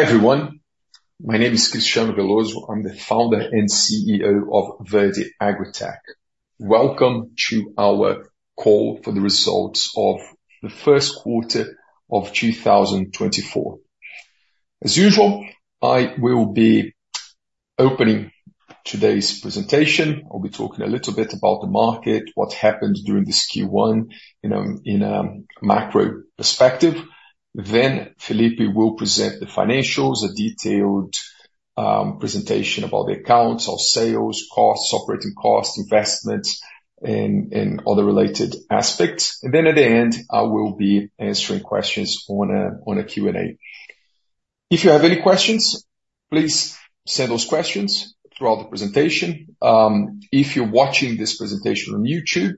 Hi, everyone. My name is Cristiano Veloso. I'm the founder and CEO of Verde AgriTech. Welcome to our call for the results of the Q1 of 2024. As usual, I will be opening today's presentation. I'll be talking a little bit about the market, what happened during this Q1, in a macro perspective. Then Felipe will present the financials, a detailed presentation about the accounts, our sales, costs, operating costs, investments, and other related aspects. And then at the end, I will be answering questions on a Q&A. If you have any questions, please send those questions throughout the presentation. If you're watching this presentation on YouTube,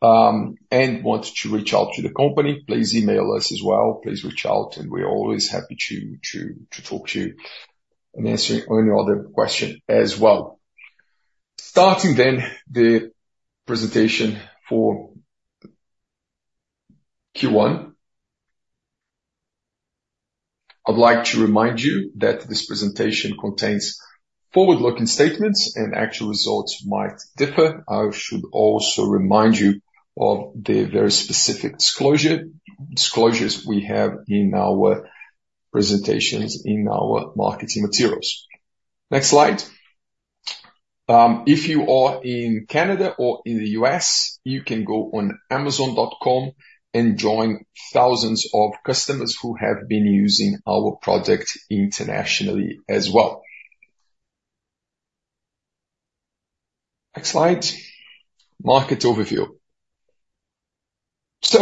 and want to reach out to the company, please email us as well. Please reach out, and we're always happy to talk to you and answer any other question as well. Starting then, the presentation for Q1. I'd like to remind you that this presentation contains forward-looking statements, and actual results might differ. I should also remind you of the very specific disclosure, disclosures we have in our presentations, in our marketing materials. Next slide. If you are in Canada or in the U.S., you can go on Amazon.com and join thousands of customers who have been using our product internationally as well. Next slide, market overview. So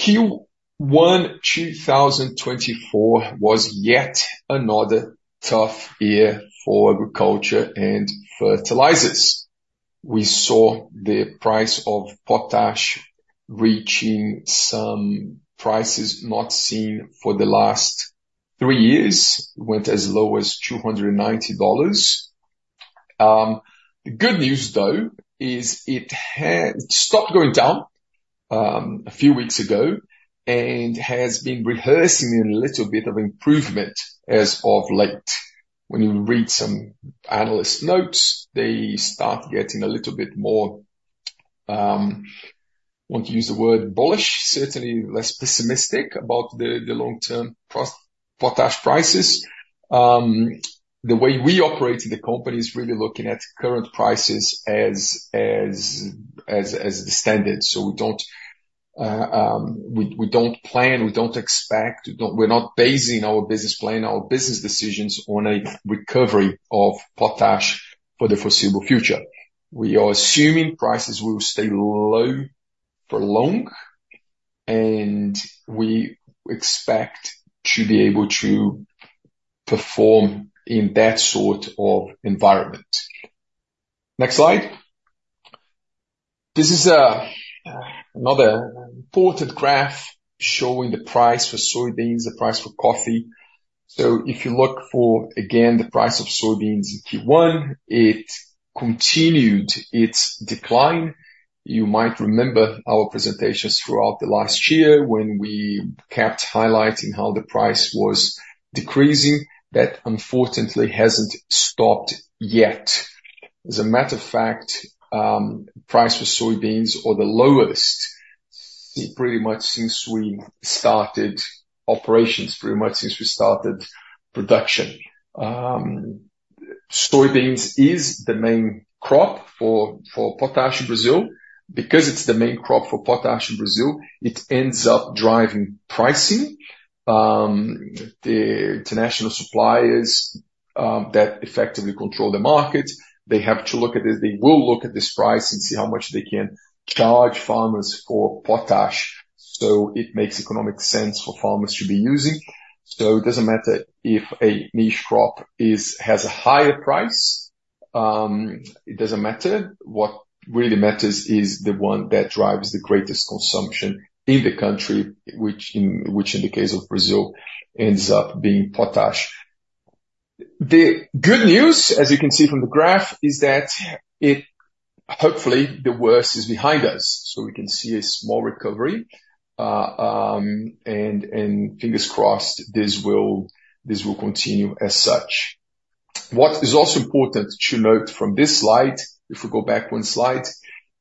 Q1, 2024, was yet another tough year for agriculture and fertilizers. We saw the price of potash reaching some prices not seen for the last three years, went as low as $290. The good news, though, is it has stopped going down, a few weeks ago and has been reversing a little bit of improvement as of late. When you read some analyst notes, they start getting a little bit more, want to use the word bullish, certainly less pessimistic about the long-term potash prices. The way we operate in the company is really looking at current prices as the standard. So we don't, we don't plan, we don't expect, we're not basing our business plan, our business decisions, on a recovery of potash for the foreseeable future. We are assuming prices will stay low for long, and we expect to be able to perform in that sort of environment. Next slide. This is another important graph showing the price for soybeans, the price for coffee. So if you look for, again, the price of soybeans in Q1, it continued its decline. You might remember our presentations throughout the last year when we kept highlighting how the price was decreasing. That, unfortunately, hasn't stopped yet. As a matter of fact, price for soybeans are the lowest, pretty much since we started operations, pretty much since we started production. Soybeans is the main crop for potash in Brazil. Because it's the main crop for potash in Brazil, it ends up driving pricing. The international suppliers that effectively control the market, they have to look at this. They will look at this price and see how much they can charge farmers for potash, so it makes economic sense for farmers to be using. So it doesn't matter if a niche crop is, has a higher price, it doesn't matter. What really matters is the one that drives the greatest consumption in the country, which in the case of Brazil, ends up being potash. The good news, as you can see from the graph, is that it. Hopefully, the worst is behind us, so we can see a small recovery, and fingers crossed, this will continue as such. What is also important to note from this slide, if we go back one slide,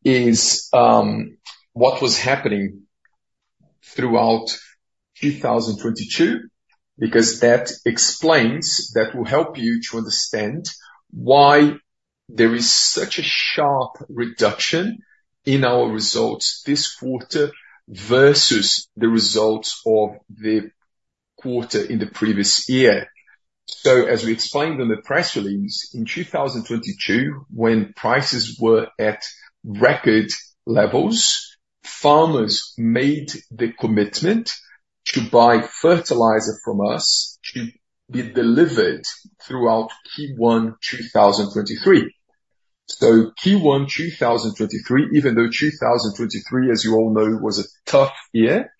is what was happening throughout 2022, because that explains, that will help you to understand why there is such a sharp reduction in our results this quarter versus the results of the quarter in the previous year. So as we explained in the press release, in 2022, when prices were at record levels, farmers made the commitment to buy fertilizer from us to be delivered throughout Q1 2023. So Q1 2023, even though 2023, as you all know, was a tough year,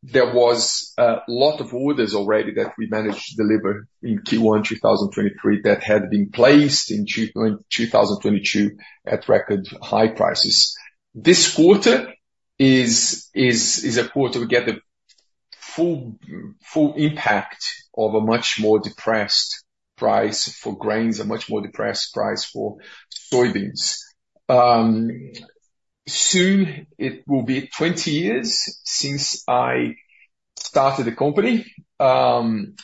there was a lot of orders already that we managed to deliver in Q1 2023, that had been placed in 2022 at record high prices. This quarter is a quarter we get the full, full impact of a much more depressed price for grains, a much more depressed price for soybeans. Soon it will be 20 years since I started the company.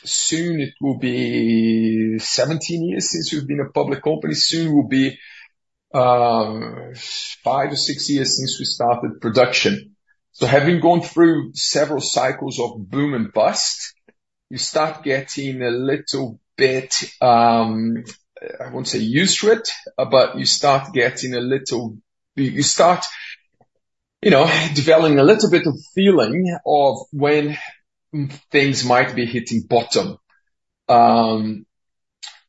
Soon it will be 17 years since we've been a public company. Soon it will be 5 or 6 years since we started production. So having gone through several cycles of boom and bust, you start getting a little bit, I won't say used to it, but you start getting a little you start, you know, developing a little bit of feeling of when things might be hitting bottom.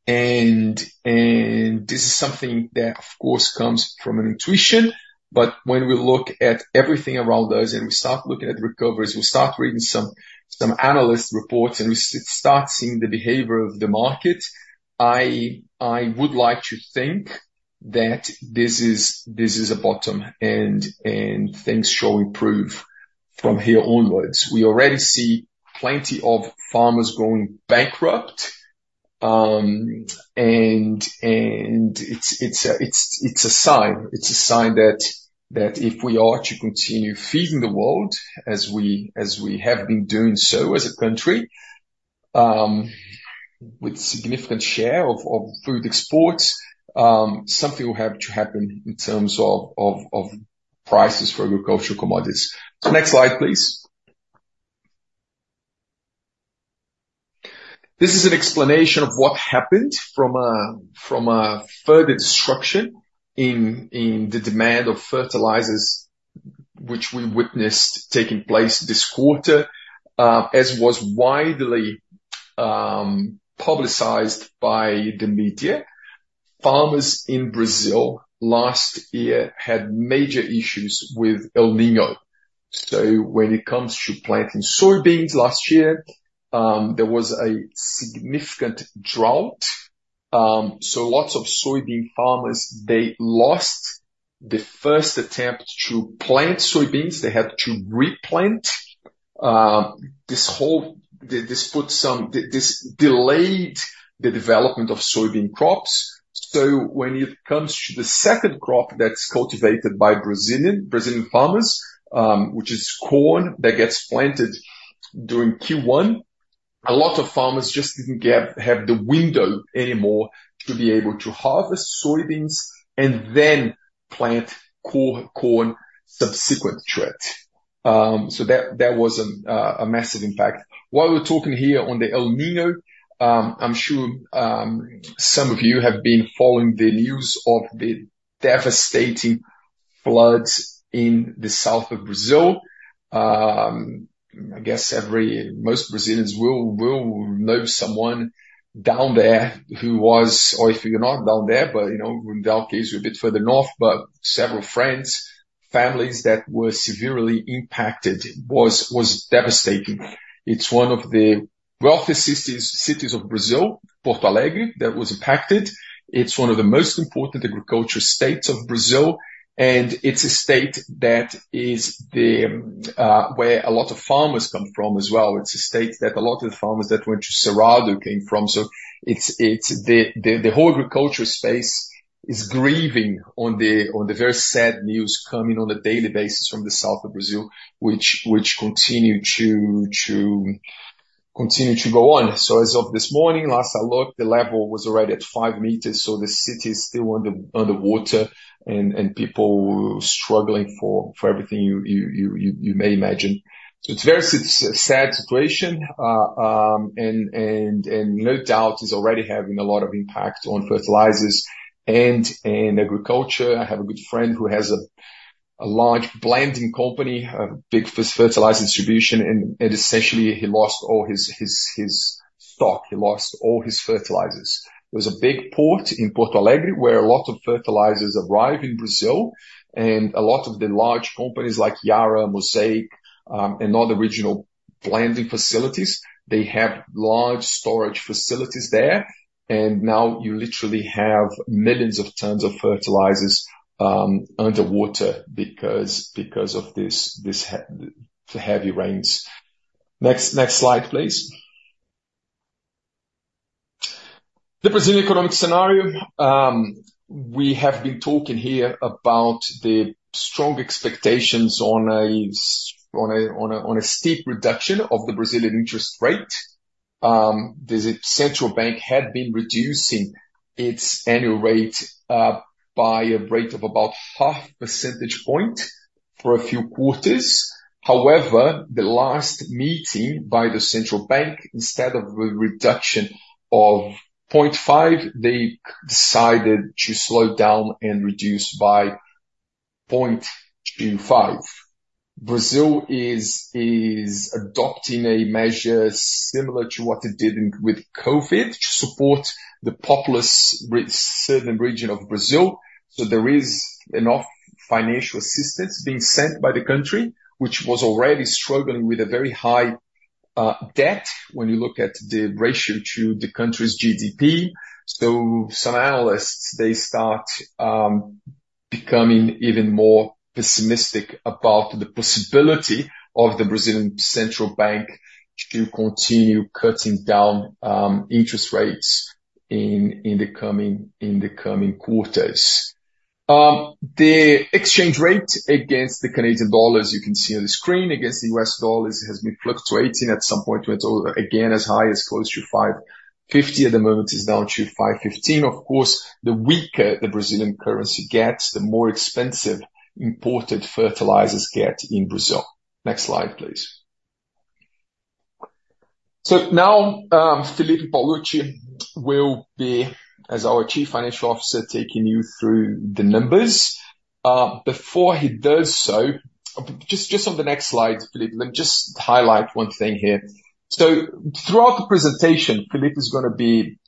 And this is something that, of course, comes from an intuition, but when we look at everything around us, and we start looking at recoveries, we start reading some analyst reports, and we start seeing the behavior of the market, I would like to think that this is a bottom, and things shall improve from here onwards. We already see plenty of farmers going bankrupt, and it's a sign. It's a sign that if we are to continue feeding the world as we have been doing so as a country with significant share of food exports, something will have to happen in terms of prices for agricultural commodities. So next slide, please. This is an explanation of what happened from a further destruction in the demand of fertilizers, which we witnessed taking place this quarter. As was widely publicized by the media, farmers in Brazil last year had major issues with El Niño. So when it comes to planting soybeans last year, there was a significant drought, so lots of soybean farmers, they lost the first attempt to plant soybeans. They had to replant. This delayed the development of soybean crops. So when it comes to the second crop that's cultivated by Brazilian farmers, which is corn, that gets planted during Q1, a lot of farmers just didn't have the window anymore to be able to harvest soybeans and then plant corn subsequent to it. So that was a massive impact. While we're talking here on the El Niño, I'm sure some of you have been following the news of the devastating floods in the south of Brazil. I guess most Brazilians will know someone down there who was... Or if you're not down there, but, you know, in our case, we're a bit further north, but several friends, families that were severely impacted, was devastating. It's one of the wealthiest cities of Brazil, Porto Alegre, that was impacted. It's one of the most important agricultural states of Brazil, and it's a state that is where a lot of farmers come from as well. It's a state that a lot of the farmers that went to Cerrado came from. So it's the whole agriculture space is grieving on the very sad news coming on a daily basis from the south of Brazil, which continue to go on. So as of this morning, last I looked, the level was already at five meters, so the city is still under water, and no doubt is already having a lot of impact on fertilizers and in agriculture. I have a good friend who has a large blending company, a big fertilizer distribution, and essentially he lost all his stock. He lost all his fertilizers. There's a big port in Porto Alegre, where a lot of fertilizers arrive in Brazil, and a lot of the large companies like Yara, Mosaic, and other regional blending facilities, they have large storage facilities there, and now you literally have millions of tons of fertilizers underwater because of this heavy rains. Next slide, please. The Brazilian economic scenario. We have been talking here about the strong expectations on a steep reduction of the Brazilian interest rate. The Central Bank had been reducing its annual rate by a rate of about half percentage point for a few quarters. However, the last meeting by the Central Bank, instead of a reduction of 0.5, they decided to slow down and reduce by 0.25. Brazil is adopting a measure similar to what it did with COVID to support the populous Brazilian southern region of Brazil. So there is enough financial assistance being sent by the country, which was already struggling with a very high debt, when you look at the ratio to the country's GDP, so some analysts they start becoming even more pessimistic about the possibility of the Brazilian Central Bank to continue cutting down interest rates in the coming quarters. The exchange rate against the Canadian dollar, as you can see on the screen, against the US dollar, has been fluctuating. At some point went over again, as high as close to 5.50. At the moment is down to 5.15. Of course, the weaker the Brazilian currency gets, the more expensive imported fertilizers get in Brazil. Next slide, please. So now, Felipe Paolucci will be, as our Chief Financial Officer, taking you through the numbers. Before he does so, just, just on the next slide, Felipe, let me just highlight one thing here. So throughout the presentation, Felipe is gonna be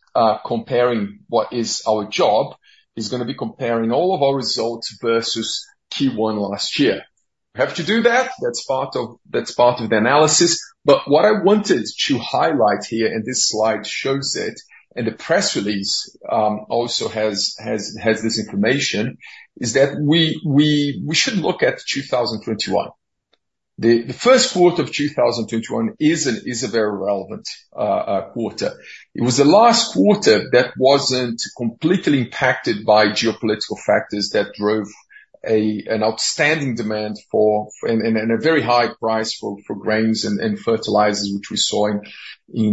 comparing what is our job. He's gonna be comparing all of our results versus Q1 last year. We have to do that. That's part of, that's part of the analysis. But what I wanted to highlight here, and this slide shows it, and the press release also has this information, is that we should look at 2021. The Q1 of 2021 is a very relevant quarter. It was the last quarter that wasn't completely impacted by geopolitical factors that drove an outstanding demand for... and a very high price for grains and fertilizers, which we saw in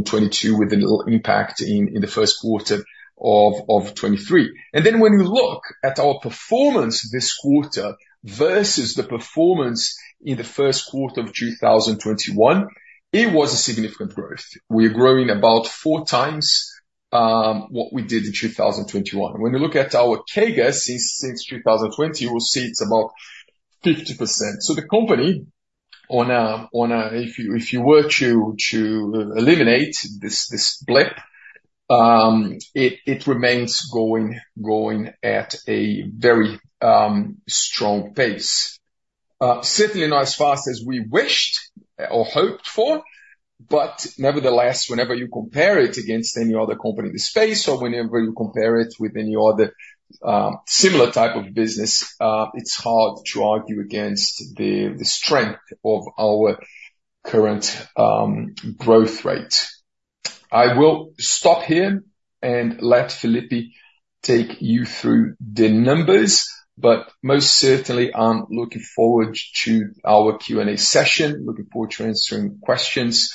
2022, with a little impact in the Q1 of 2023. And then when you look at our performance this quarter versus the performance in the Q1 of 2021, it was a significant growth. We are growing about four times what we did in 2021. When you look at our CAGR since 2020, we'll see it's about 50%. So the company on a if you were to eliminate this blip, it remains going at a very strong pace. Certainly not as fast as we wished or hoped for, but nevertheless, whenever you compare it against any other company in this space, or whenever you compare it with any other similar type of business, it's hard to argue against the strength of our current growth rate. I will stop here and let Felipe take you through the numbers, but most certainly, I'm looking forward to our Q&A session. Looking forward to answering questions.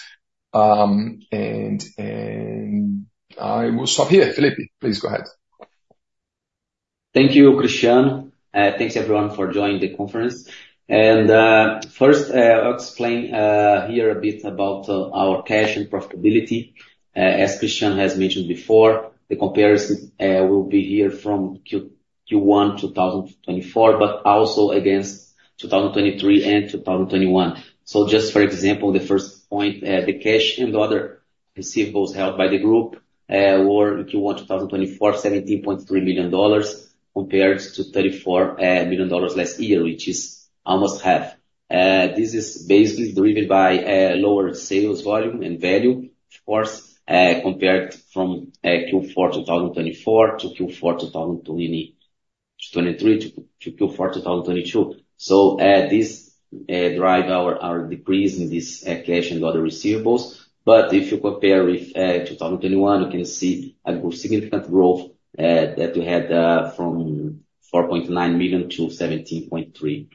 And I will stop here. Felipe, please go ahead. Thank you, Cristiano. Thanks, everyone, for joining the conference. First, I'll explain here a bit about our cash and profitability. As Cristiano has mentioned before, the comparison will be here from Q1 2024, but also against 2023 and 2021. So just for example, the first point, the cash and other receivables held by the group were Q1 2024, 17.3 million dollars, compared to 34 million dollars last year, which is almost half. This is basically driven by lower sales volume and value, of course, compared from Q4 2024 to Q4 2023 to Q4 2022. So, this drive our, our decrease in this cash and other receivables. But if you compare with 2021, you can see a significant growth that we had from 4.9 million to 17.3.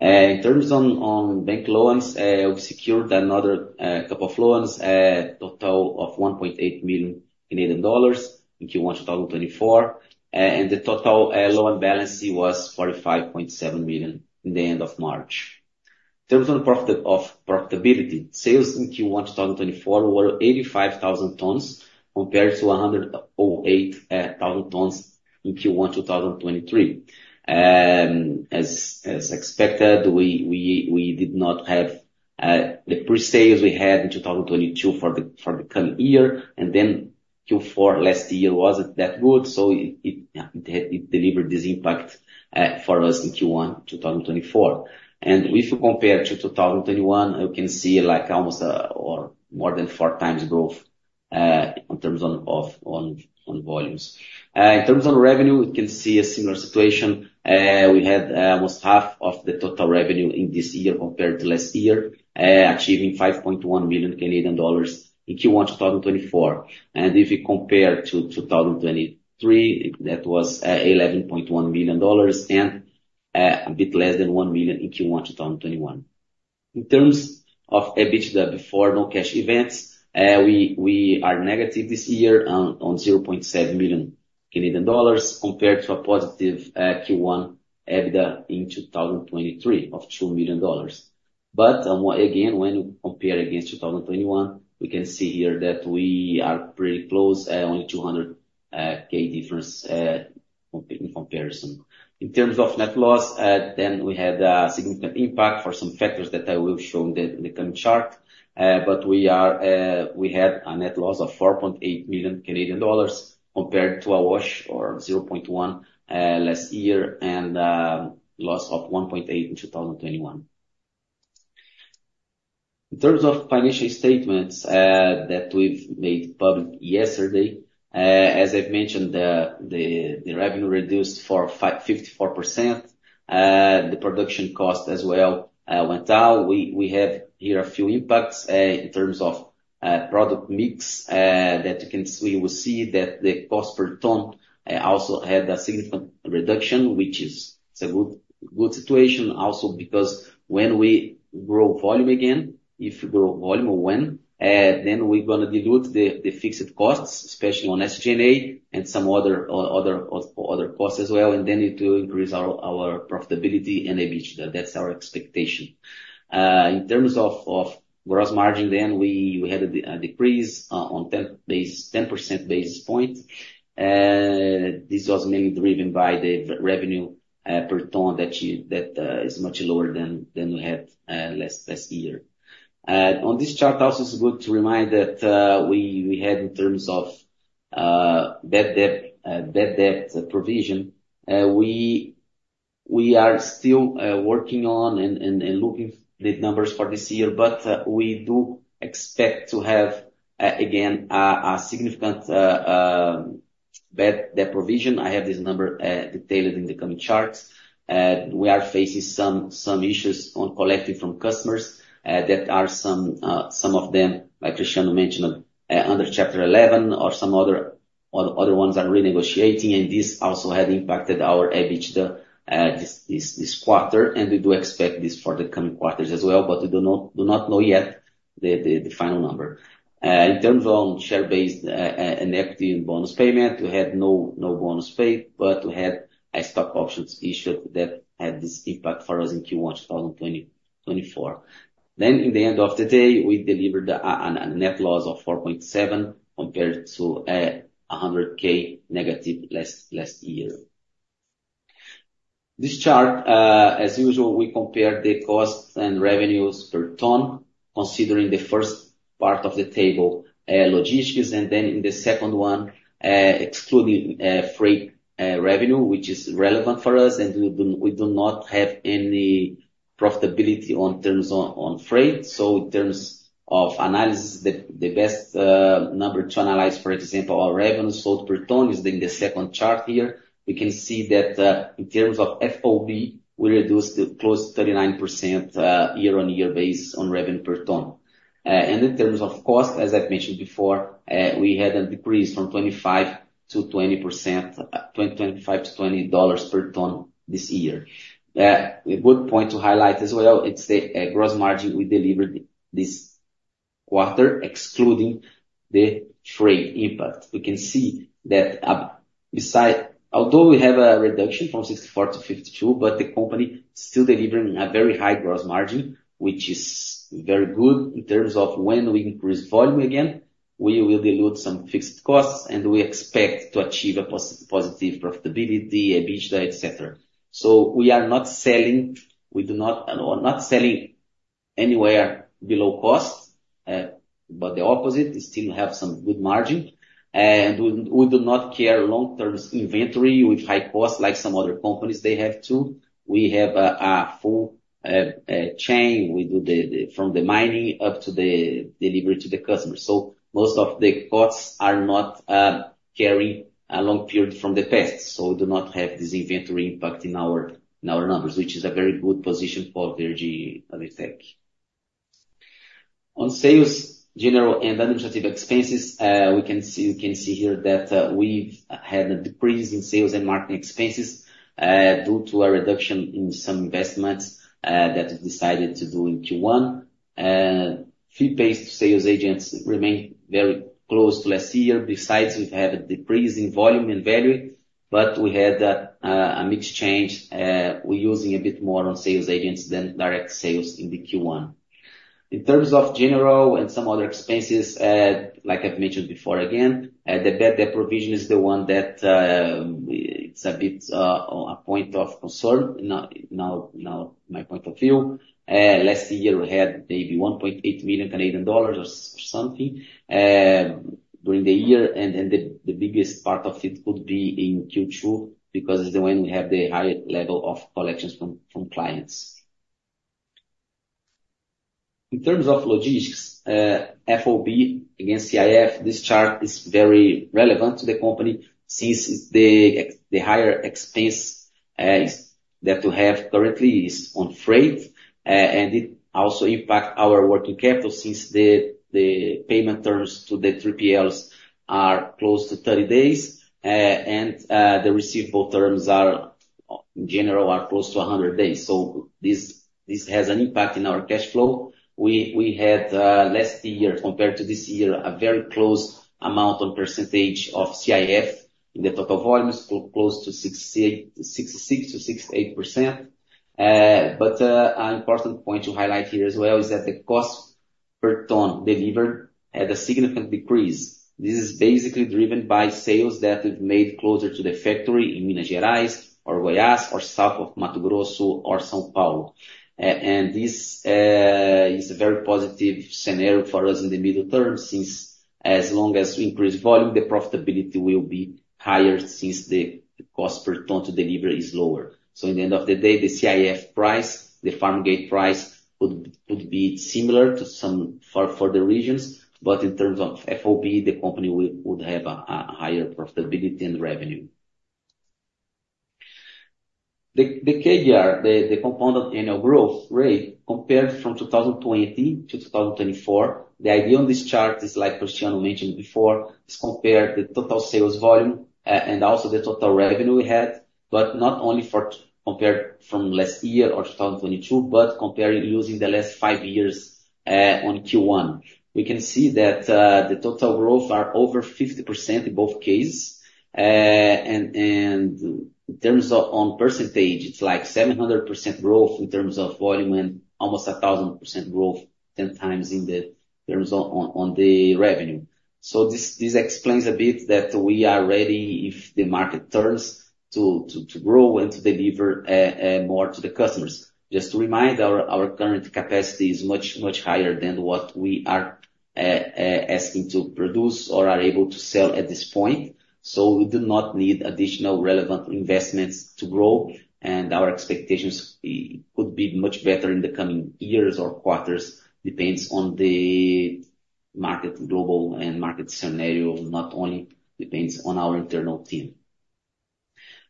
In terms of bank loans, we secured another couple of loans, total of 1.8 million Canadian dollars in Q1 2024. And the total loan balance was 45.7 million at the end of March. In terms of profitability, sales in Q1 2024 were 85,000 tons, compared to 108,000 tons in Q1 2023. As expected, we did not have the pre-sales we had in 2022 for the current year, and then Q4 last year wasn't that good, so it delivered this impact for us in Q1 2024. If you compare to 2021, you can see like almost or more than 4 times growth in terms of volumes. In terms of revenue, we can see a similar situation. We had almost half of the total revenue in this year compared to last year, achieving 5.1 million Canadian dollars in Q1 2024. And if you compare to 2023, that was 11.1 million dollars and a bit less than 1 million in Q1 2021. In terms of EBITDA before non-cash events, we are negative this year on 0.7 million Canadian dollars, compared to a positive Q1 EBITDA in 2023 of 2 million dollars. But, again, when you compare against 2021, we can see here that we are pretty close at only 200K difference in comparison. In terms of net loss, we had a significant impact for some factors that I will show in the coming chart. But we had a net loss of 4.8 million Canadian dollars compared to a wash or 0.1 million last year, and loss of 1.8 million in 2021. In terms of financial statements that we've made public yesterday, as I've mentioned, the revenue reduced for 54%, the production cost as well went down. We have here a few impacts in terms of product mix that you can see, we will see that the cost per ton also had a significant reduction, which is a good situation. Also, because when we grow volume again, if we grow volume or when, then we're gonna dilute the fixed costs, especially on SG&A and some other costs as well, and then it will increase our profitability and EBITDA. That's our expectation. In terms of gross margin, then we had a decrease on 10 percentage points. This was mainly driven by the revenue per ton that is much lower than we had last year. On this chart, also, it's good to remind that we had in terms of bad debt provision. We are still working on and looking at the numbers for this year, but we do expect to have again a significant bad debt provision. I have this number detailed in the coming charts. We are facing some issues on collecting from customers that are some of them, like Cristiano mentioned, under Chapter 11 or some other ones are renegotiating, and this also has impacted our EBITDA this quarter, and we do expect this for the coming quarters as well, but we do not know yet the final number. In terms of share-based and equity and bonus payment, we had no bonus paid, but we had a stock options issued that had this impact for us in Q1 2024. Then in the end of the day, we delivered a net loss of 4.7 million compared to 0.1 million negative last year. This chart, as usual, we compare the costs and revenues per ton, considering the first part of the table, logistics, and then in the second one, excluding freight revenue, which is relevant for us, and we do not have any profitability on terms of freight. So in terms of analysis, the best number to analyze, for example, our revenue sold per ton, is in the second chart here. We can see that, in terms of FOB, we reduced it close to 39%, year-on-year basis on revenue per ton. In terms of cost, as I've mentioned before, we had a decrease from 25 to 20 percent, $25-$20 per ton this year. A good point to highlight as well, it's the gross margin we delivered this quarter, excluding the freight impact. We can see that, although we have a reduction from 64%-52%, but the company still delivering a very high gross margin, which is very good in terms of when we increase volume again, we will dilute some fixed costs, and we expect to achieve a positive profitability, EBITDA, etc. So we are not selling, we do not not selling anywhere below cost, but the opposite, we still have some good margin. And we, we do not carry long-term inventory with high costs, like some other companies, they have to. We have a full chain. We do the from the mining up to the delivery to the customer. So most of the costs are not carrying a long period from the past, so we do not have this inventory impact in our, in our numbers, which is a very good position for Verde AgriTech. On sales, general and administrative expenses, we can see, you can see here that, we've had a decrease in sales and marketing expenses, due to a reduction in some investments, that we decided to do in Q1. Fee-based sales agents remain very close to last year. Besides, we've had a decrease in volume and value, but we had a mix change, we're using a bit more on sales agents than direct sales in the Q1. In terms of general and some other expenses, like I've mentioned before, again, the bad debt provision is the one that it's a bit a point of concern, not now, in my point of view. Last year, we had maybe 1.8 million Canadian dollars during the year, and the biggest part of it would be in Q2, because it's when we have the highest level of collections from clients. In terms of logistics, FOB against CIF, this chart is very relevant to the company since the higher expense that we have currently is on freight, and it also impact our working capital since the payment terms to the 3PLs are close to 30 days, and the receivable terms are, in general, close to 100 days. So this has an impact in our cash flow. We had last year compared to this year, a very close amount on percentage of CIF in the total volumes, close to 68, 66-68%. But an important point to highlight here as well, is that the cost per ton delivered had a significant decrease. This is basically driven by sales that we've made closer to the factory in Minas Gerais or Goiás or south of Mato Grosso or São Paulo. And this is a very positive scenario for us in the middle term, since as long as we increase volume, the profitability will be higher since the cost per ton to deliver is lower. So in the end of the day, the CIF price, the farm gate price, would be similar to some for the regions, but in terms of FOB, the company would have a higher profitability and revenue. The CAGR, the compound annual growth rate, compared from 2020 to 2024, the idea on this chart is, like Cristiano mentioned before, is compare the total sales volume, and also the total revenue we had, but not only compared from last year or 2022, but comparing using the last five years, on Q1. We can see that, the total growth are over 50% in both cases. And, in terms of percentage, it's like 700% growth in terms of volume and almost 1,000% growth, 10 times in the terms on, the revenue. So this explains a bit that we are ready if the market turns to grow and to deliver, more to the customers. Just to remind, our current capacity is much, much higher than what we are asking to produce or are able to sell at this point, so we do not need additional relevant investments to grow, and our expectations could be much better in the coming years or quarters, depends on the market, global and market scenario, not only depends on our internal team.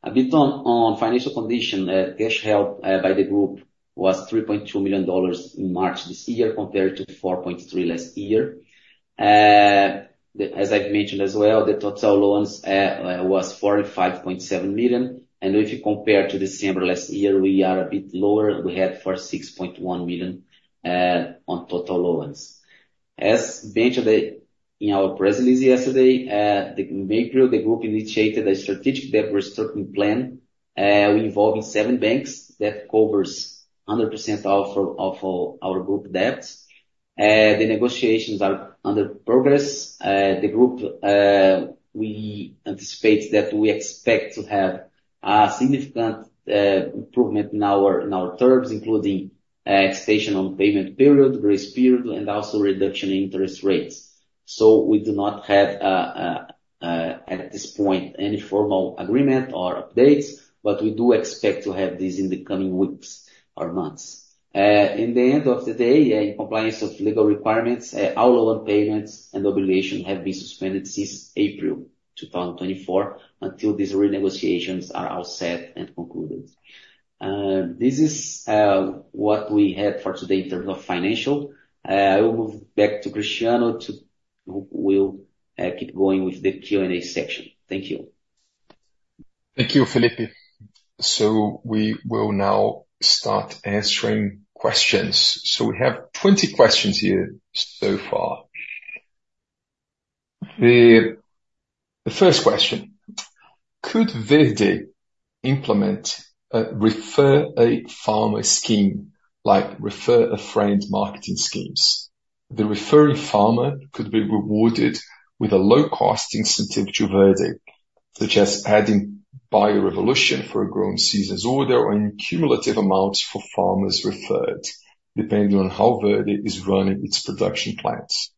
A bit on financial condition, cash held by the group was $3.2 million in March this year, compared to $4.3 million last year. As I've mentioned as well, the total loans was $45.7 million, and if you compare to December last year, we are a bit lower. We had $46.1 million on total loans. As mentioned, in our press release yesterday, in April, the group initiated a strategic debt restructuring plan, involving seven banks that covers 100% of all, of all our group debts. The negotiations are under progress. The group, we anticipate that we expect to have a significant improvement in our, in our terms, including extension on payment period, grace period, and also reduction in interest rates. So we do not have, at this point, any formal agreement or updates, but we do expect to have these in the coming weeks or months. In the end of the day, in compliance with legal requirements, all loan payments and obligation have been suspended since April 2024, until these renegotiations are all set and concluded. This is what we have for today in terms of financial. I will move back to Cristiano, who will keep going with the Q&A section. Thank you. Thank you, Felipe. So we will now start answering questions. So we have 20 questions here so far. The first question: Could Verde implement a refer a farmer scheme, like refer a friend marketing schemes? The referring farmer could be rewarded with a low-cost incentive to Verde, such as adding Bio Revolution for a growing season's order and cumulative amounts for farmers referred, depending on how Verde is running its production plans.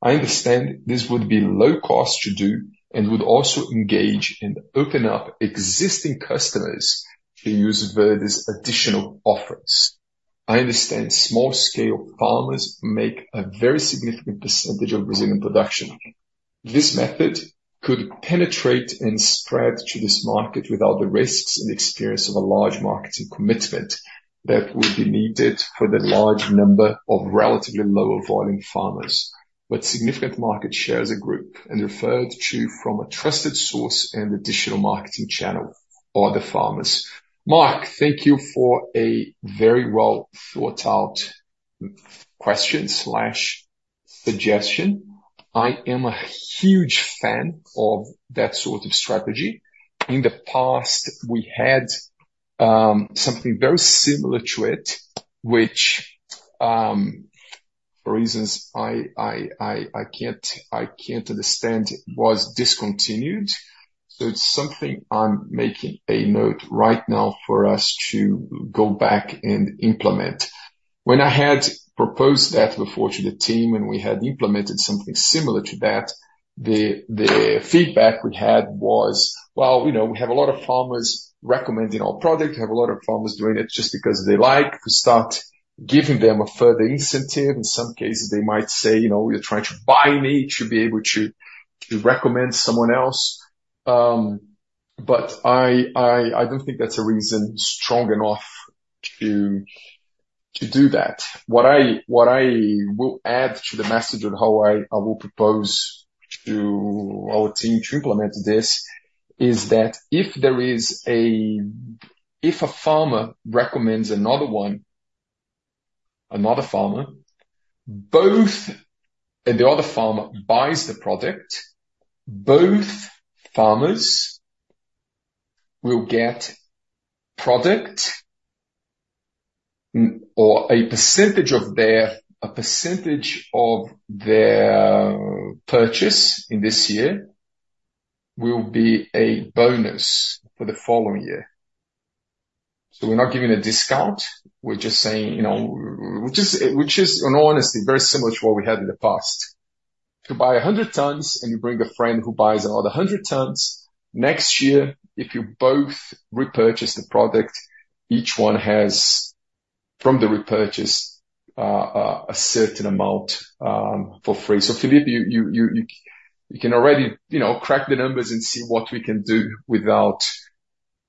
I understand this would be low cost to do and would also engage and open up existing customers to use Verde's additional offerings. I understand small scale farmers make a very significant percentage of Brazilian production. This method could penetrate and spread to this market without the risks and experience of a large marketing commitment that would be needed for the large number of relatively lower volume farmers, but significant market share as a group, and referred to from a trusted source and additional marketing channel by the farmers. Mark, thank you for a very well thought out question slash suggestion. I am a huge fan of that sort of strategy. In the past, we had something very similar to it, which, for reasons I can't understand, was discontinued. So it's something I'm making a note right now for us to go back and implement. When I had proposed that before to the team, and we had implemented something similar to that, the feedback we had was, well, you know, we have a lot of farmers recommending our product. We have a lot of farmers doing it just because they like. To start giving them a further incentive, in some cases, they might say, "You know, you're trying to buy me to be able to recommend someone else." But I don't think that's a reason strong enough to do that. What I will add to the message and how I will propose to our team to implement this, is that if a farmer recommends another one, another farmer, both... The other farmer buys the product, both farmers will get product, or a percentage of their, a percentage of their purchase in this year, will be a bonus for the following year. So we're not giving a discount. We're just saying, you know, which is, which is, in all honesty, very similar to what we had in the past. If you buy 100 tons and you bring a friend who buys another 100 tons, next year, if you both repurchase the product, each one has, from the repurchase, a certain amount for free. So Felipe, you can already, you know, crack the numbers and see what we can do without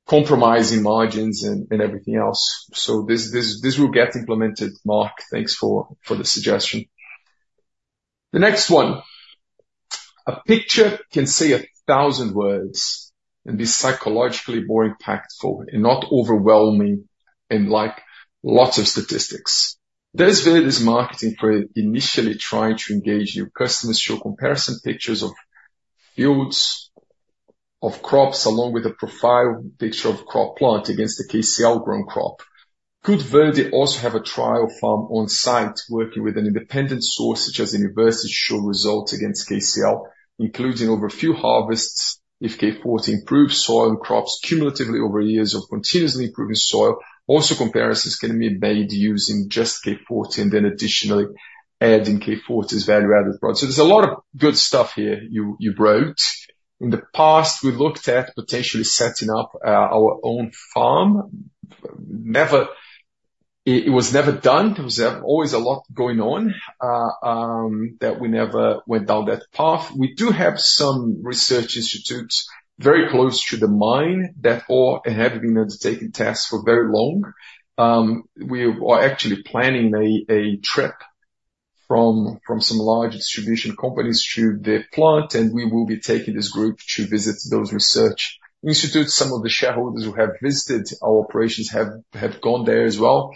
compromising margins and everything else. So this will get implemented, Marcus. Thanks for the suggestion. The next one: A picture can say a thousand words and be psychologically more impactful and not overwhelming and like lots of statistics. There is various marketing for initially trying to engage new customers, show comparison pictures of fields, of crops, along with a profile picture of crop plant against the KCl grown crop. Could Verde also have a trial farm on site working with an independent source, such as university, to show results against KCl, including over a few harvests, if K Forte improves soil and crops cumulatively over years or continuously improving soil. Also, comparisons can be made using just K Forte, and then additionally, adding K Forte's value-added product. So there's a lot of good stuff here, you wrote. In the past, we looked at potentially setting up our own farm. It was never done. There was always a lot going on that we never went down that path. We do have some research institutes very close to the mine that all have been undertaking tasks for very long. We are actually planning a trip from some large distribution companies to the plant, and we will be taking this group to visit those research institutes. Some of the shareholders who have visited our operations have gone there as well.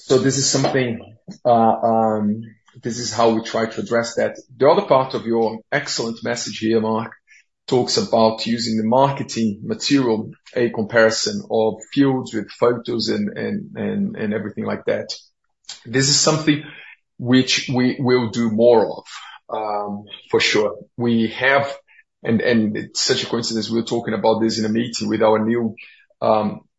So this is something, this is how we try to address that. The other part of your excellent message here, Mark, talks about using the marketing material, a comparison of fields with photos and everything like that. This is something which we will do more of, for sure. And it's such a coincidence, we were talking about this in a meeting with our new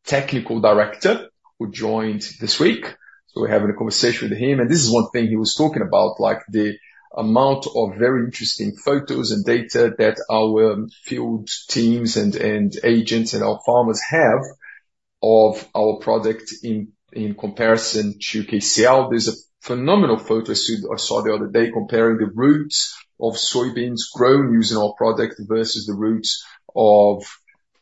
technical director, who joined this week, so we're having a conversation with him, and this is one thing he was talking about, like, the amount of very interesting photos and data that our field teams and agents and our farmers have of our product in comparison to KCl. There's a phenomenal photo shoot I saw the other day comparing the roots of soybeans grown using our product versus the roots of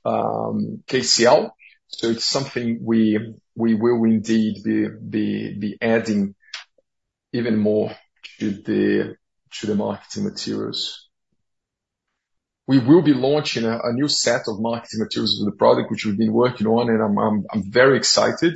KCl. So it's something we will indeed be adding even more to the marketing materials. We will be launching a new set of marketing materials with the product, which we've been working on, and I'm very excited.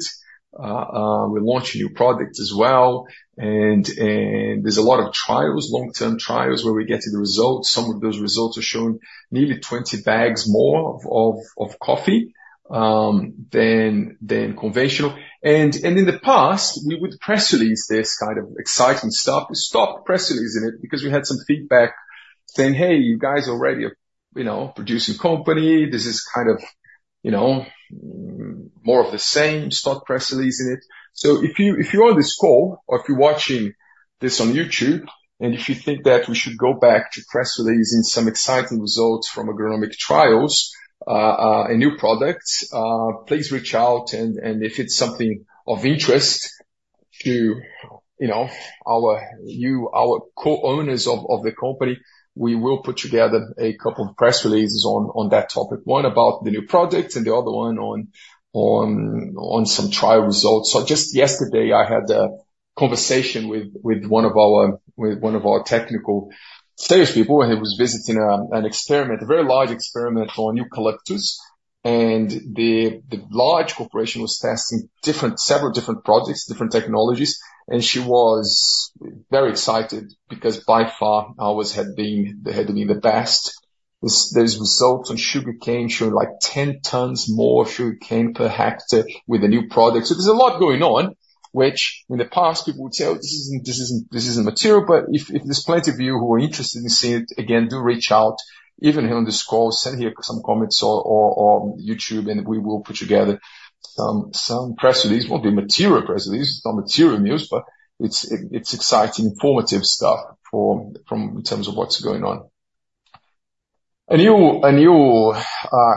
We're launching a new product as well, and there's a lot of trials, long-term trials, where we're getting the results. Some of those results are showing nearly 20 bags more of coffee than conventional. And in the past, we would press release this kind of exciting stuff. We stopped press releasing it because we had some feedback saying, "Hey, you guys are already a, you know, producing company. This is kind of, you know, more of the same. Stop press releasing it." So if you, if you're on this call, or if you're watching this on YouTube, and if you think that we should go back to press releasing some exciting results from agronomic trials, and new products, please reach out, and if it's something of interest to, you know, our new co-owners of the company, we will put together a couple of press releases on that topic. One about the new product, and the other one on some trial results. So just yesterday, I had a conversation with one of our technical sales people, and he was visiting an experiment, a very large experiment for new collectors. And the large corporation was testing several different projects, different technologies, and she was very excited because by far, ours had been, they had been the best. Those results on sugarcane showed, like, 10 tons more sugarcane per hectare with the new product. So there's a lot going on, which in the past, people would say, "Oh, this isn't material," but if there's plenty of you who are interested in seeing it, again, do reach out, even here on this call, send some comments or YouTube, and we will put together some press release. It won't be material press release, it's not material news, but it's exciting, informative stuff from in terms of what's going on. A new, a new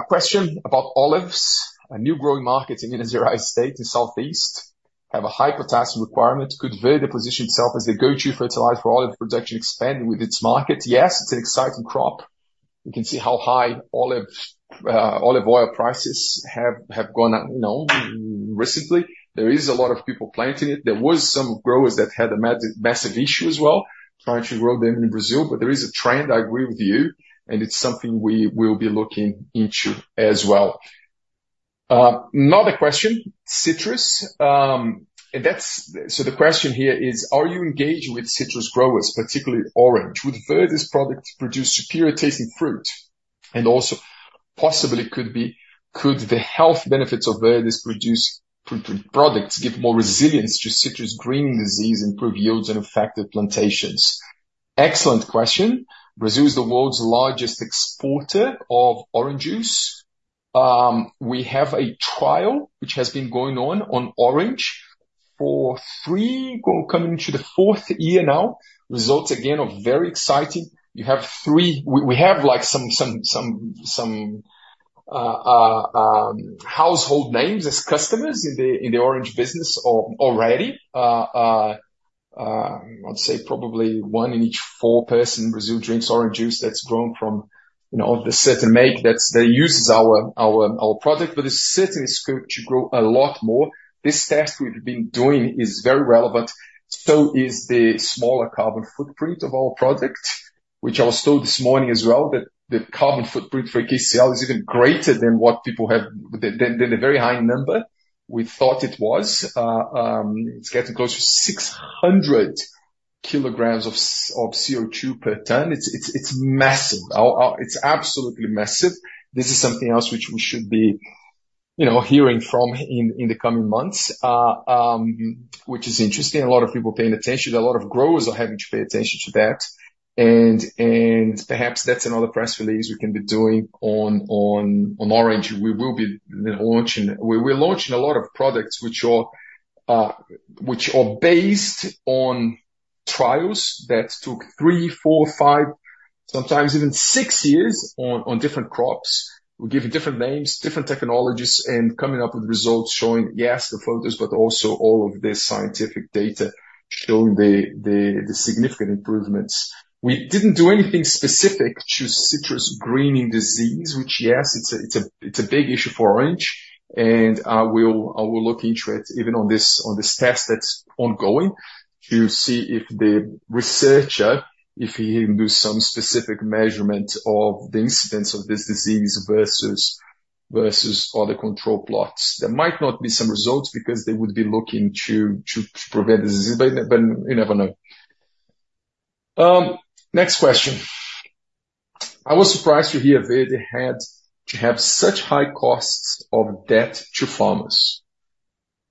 question about olives. A new growing market in the United States, in Southeast, have a high potassium requirement. Could Verde position itself as the go-to fertilizer for olive production expanding with its market? Yes, it's an exciting crop. You can see how high olive, olive oil prices have gone up, you know, recently. There is a lot of people planting it. There was some growers that had a massive issue as well, trying to grow them in Brazil, but there is a trend, I agree with you, and it's something we will be looking into as well. Another question, citrus, and that's. So the question here is, are you engaging with citrus growers, particularly orange? Would Verde's product produce superior-tasting fruit? And also, could the health benefits of Verde's products give more resilience to Citrus Greening Disease, improve yields, and affect the plantations? Excellent question. Brazil is the world's largest exporter of orange juice. We have a trial which has been going on, on orange coming to the fourth year now. Results, again, are very exciting. We have, like, some household names as customers in the orange business already. I'd say probably one in each four person in Brazil drinks orange juice that's grown from, you know, the certain make that's, that uses our product, but it certainly is going to grow a lot more. This test we've been doing is very relevant, so is the smaller carbon footprint of our product, which I was told this morning as well, that the carbon footprint for KCl is even greater than the very high number we thought it was. It's getting close to 600 kilograms of CO2 per ton. It's massive. It's absolutely massive. This is something else which we should be, you know, hearing from in the coming months. Which is interesting, a lot of people paying attention. A lot of growers are having to pay attention to that. And perhaps that's another press release we can be doing on orange. We will be launching... We're launching a lot of products which are based on trials that took 3, 4, 5, sometimes even 6 years on different crops. We give it different names, different technologies, and coming up with results showing, yes, the photos, but also all of the scientific data showing the significant improvements. We didn't do anything specific to Citrus Greening Disease, which, yes, it's a big issue for orange, and I will look into it, even on this test that's ongoing, to see if the researcher, if he can do some specific measurement of the incidence of this disease versus other control plots. There might not be some results because they would be looking to prevent disease, but you never know. Next question: I was surprised to hear Verde had to have such high costs of debt to farmers.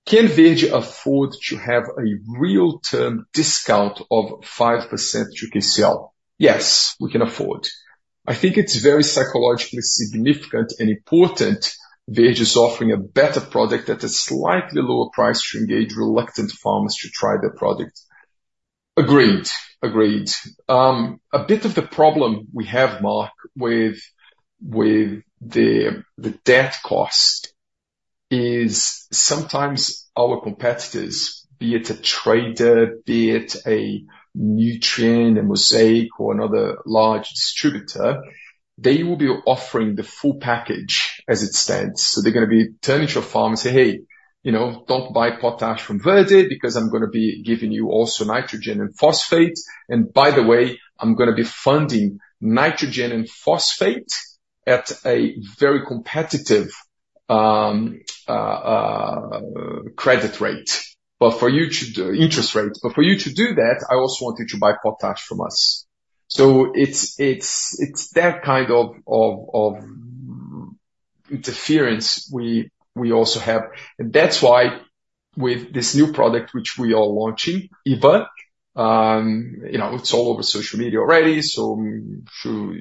Can Verde afford to have a real term discount of 5% to KCl? Yes, we can afford. I think it's very psychologically significant and important, Verde is offering a better product at a slightly lower price to engage reluctant farmers to try the product. Agreed, agreed. A bit of the problem we have, Mark, with the debt cost is sometimes our competitors, be it a trader, be it Nutrien, Mosaic, or another large distributor, they will be offering the full package as it stands. So they're gonna be turning to a farm and say, "Hey, you know, don't buy potash from Verde because I'm gonna be giving you also nitrogen and phosphate. And by the way, I'm gonna be funding nitrogen and phosphate at a very competitive credit rate. But for you to-- interest rate, but for you to do that, I also want you to buy potash from us. So it's that kind of interference we also have. And that's why with this new product, which we are launching, EVA, you know, it's all over social media already, so I'm sure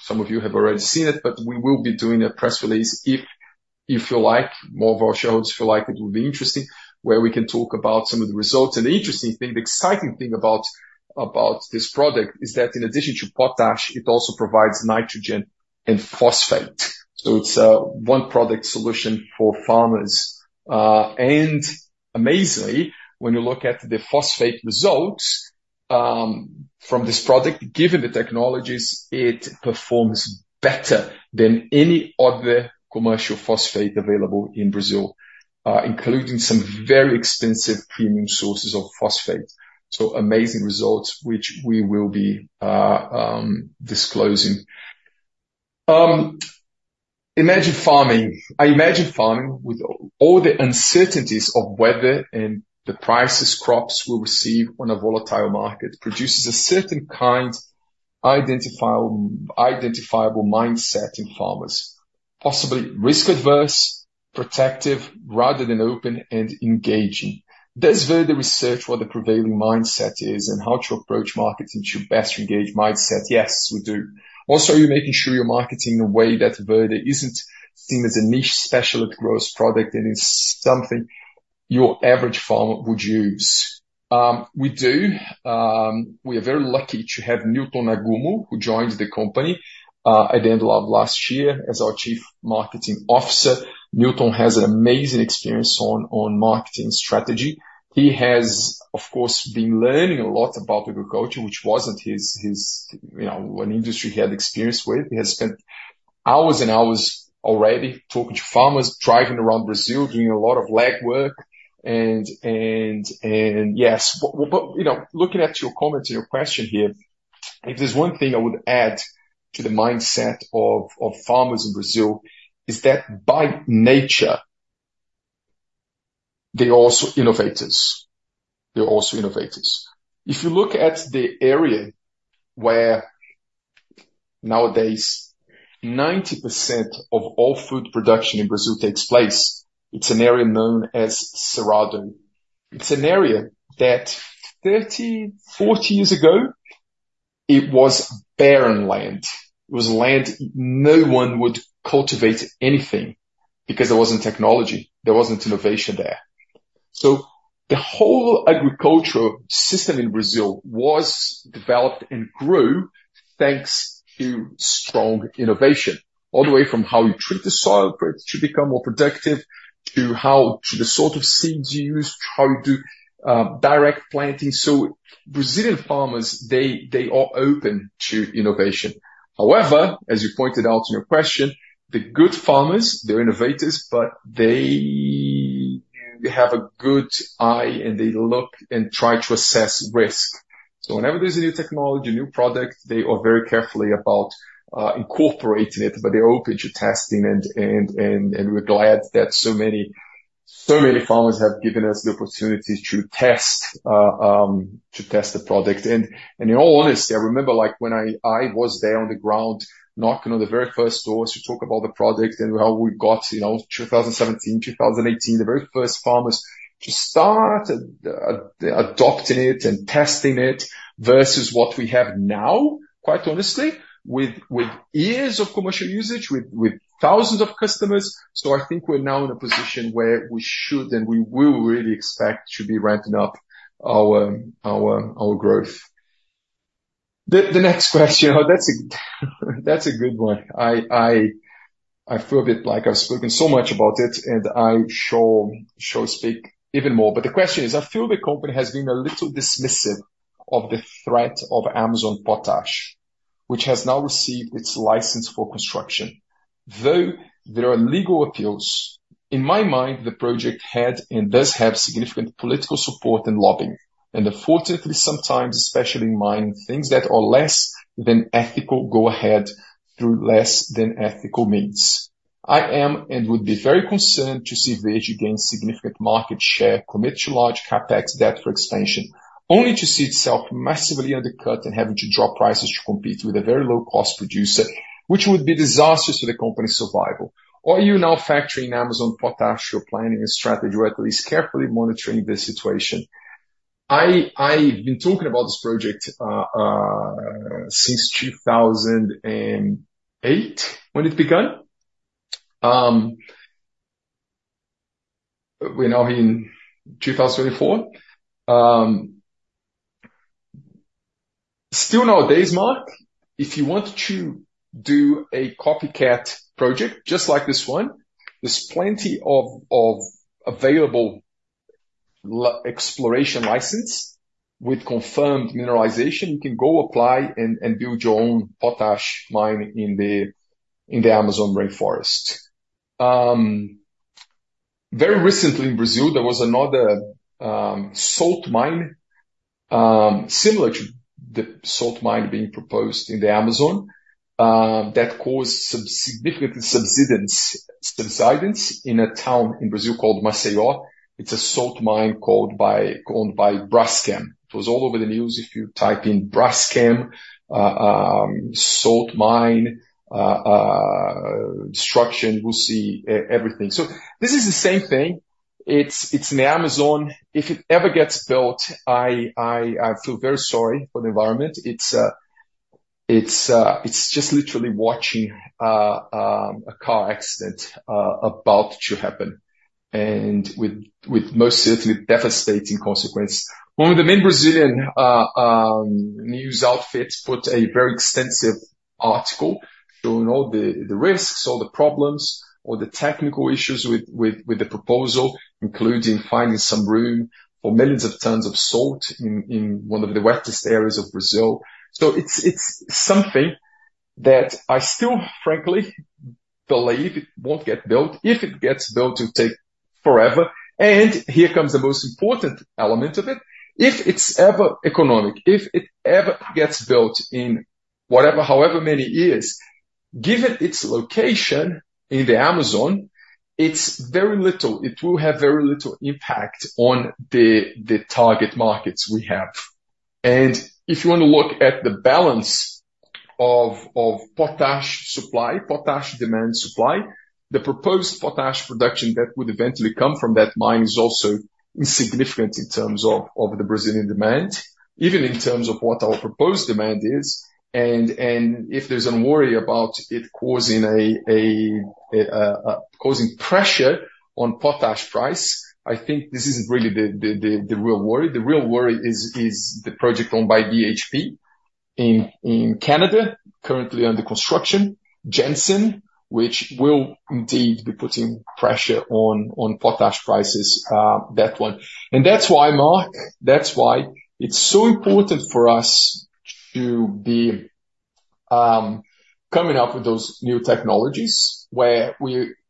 some of you have already seen it, but we will be doing a press release, if you like, more of our shows, if you like, it will be interesting, where we can talk about some of the results. And the interesting thing, the exciting thing about this product is that in addition to potash, it also provides nitrogen and phosphate. So it's a one-product solution for farmers. And amazingly, when you look at the phosphate results, from this product, given the technologies, it performs better than any other commercial phosphate available in Brazil, including some very expensive premium sources of phosphate. So amazing results, which we will be disclosing. Imagine farming, imagine farming with all the uncertainties of weather and the prices crops will receive on a volatile market produces a certain kind, identifiable mindset in farmers, possibly risk-averse, protective, rather than open and engaging. Does Verde research what the prevailing mindset is, and how to approach markets and to best engage mindset? Yes, we do. Also, are you making sure you're marketing in a way that Verde isn't seen as a niche specialist growth product and is something your average farmer would use? We do. We are very lucky to have Newton Nagumo, who joined the company at the end of last year as our Chief Marketing Officer. Newton has an amazing experience on marketing strategy. He has, of course, been learning a lot about agriculture, which wasn't his, you know, an industry he had experience with. He has spent hours and hours already talking to farmers, driving around Brazil, doing a lot of legwork. You know, looking at your comments and your question here, if there's one thing I would add to the mindset of farmers in Brazil, is that by nature, they're also innovators. They're also innovators. If you look at the area where nowadays 90% of all food production in Brazil takes place. It's an area known as Cerrado. It's an area that 30, 40 years ago, it was barren land. It was land no one would cultivate anything because there wasn't technology, there wasn't innovation there. So the whole agricultural system in Brazil was developed and grew, thanks to strong innovation, all the way from how you treat the soil for it to become more productive, to how to the sort of seeds you use, how you do direct planting. So Brazilian farmers, they, they are open to innovation. However, as you pointed out in your question, the good farmers, they're innovators, but they, they have a good eye, and they look and try to assess risk. So whenever there's a new technology, new product, they are very carefully about incorporating it, but they're open to testing and we're glad that so many farmers have given us the opportunity to test the product. And in all honesty, I remember, like, when I was there on the ground, knocking on the very first doors to talk about the product and how we got, you know, 2017, 2018, the very first farmers to start adopting it and testing it versus what we have now, quite honestly, with years of commercial usage, with thousands of customers. So I think we're now in a position where we should, and we will really expect to be ramping up our growth. The next question, oh, that's a good one. I feel a bit like I've spoken so much about it, and I sure speak even more. But the question is: I feel the company has been a little dismissive of the threat of Amazon potash, which has now received its license for construction. Though there are legal appeals, in my mind, the project had and does have significant political support and lobbying, and unfortunately, sometimes, especially in mining, things that are less than ethical go ahead through less than ethical means. I am and would be very concerned to see Verde gain significant market share, commit to large CapEx debt for expansion, only to see itself massively undercut and having to drop prices to compete with a very low-cost producer, which would be disastrous for the company's survival. Are you now factoring Amazon potash for planning and strategy, or at least carefully monitoring the situation? I've been talking about this project since 2008, when it begun. We're now in 2024. Still nowadays, Mark, if you want to do a copycat project just like this one, there's plenty of available land exploration license with confirmed mineralization. You can go apply and build your own potash mine in the Amazon rainforest. Very recently in Brazil, there was another salt mine similar to the salt mine being proposed in the Amazon that caused significant subsidence in a town in Brazil called Maceió. It's a salt mine owned by Braskem. It was all over the news. If you type in Braskem, salt mine, destruction, you'll see everything. So this is the same thing. It's in the Amazon. If it ever gets built, I feel very sorry for the environment. It's just literally watching a car accident about to happen, and with most certainly devastating consequence. One of the main Brazilian news outfits put a very extensive article showing all the risks, all the problems, all the technical issues with the proposal, including finding some room for millions of tons of salt in one of the wettest areas of Brazil. So it's something that I still, frankly, believe it won't get built. If it gets built, it'll take forever. And here comes the most important element of it. If it's ever economic, if it ever gets built in whatever, however many years, given its location in the Amazon, it's very little—it will have very little impact on the target markets we have. And if you want to look at the balance of potash supply, potash demand supply, the proposed potash production that would eventually come from that mine is also insignificant in terms of the Brazilian demand, even in terms of what our proposed demand is, and if there's any worry about it causing pressure on potash price, I think this isn't really the real worry. The real worry is the project owned by BHP in Canada, currently under construction, Jansen, which will indeed be putting pressure on potash prices, that one. And that's why, Mark, that's why it's so important for us to be coming up with those new technologies, where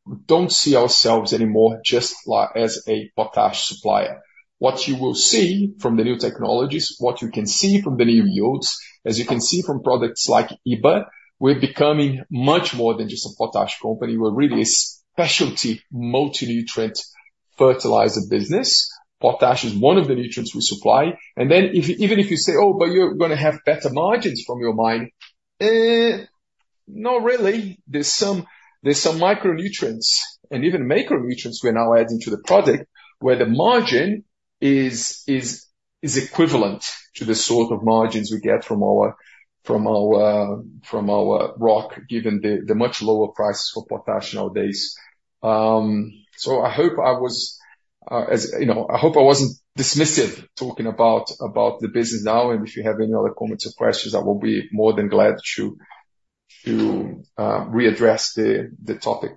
we don't see ourselves anymore just like as a potash supplier. What you will see from the new technologies, what you can see from the new yields, as you can see from products like IBA, we're becoming much more than just a potash company. We're really a specialty multi-nutrient-... fertilizer business. Potash is one of the nutrients we supply, and then if, even if you say, "Oh, but you're gonna have better margins from your mine." Eh, not really. There's some micronutrients and even macronutrients we're now adding to the product, where the margin is equivalent to the sort of margins we get from our rock, given the much lower price for potash nowadays. So I hope I was, you know, I hope I wasn't dismissive talking about the business now, and if you have any other comments or questions, I will be more than glad to readdress the topic.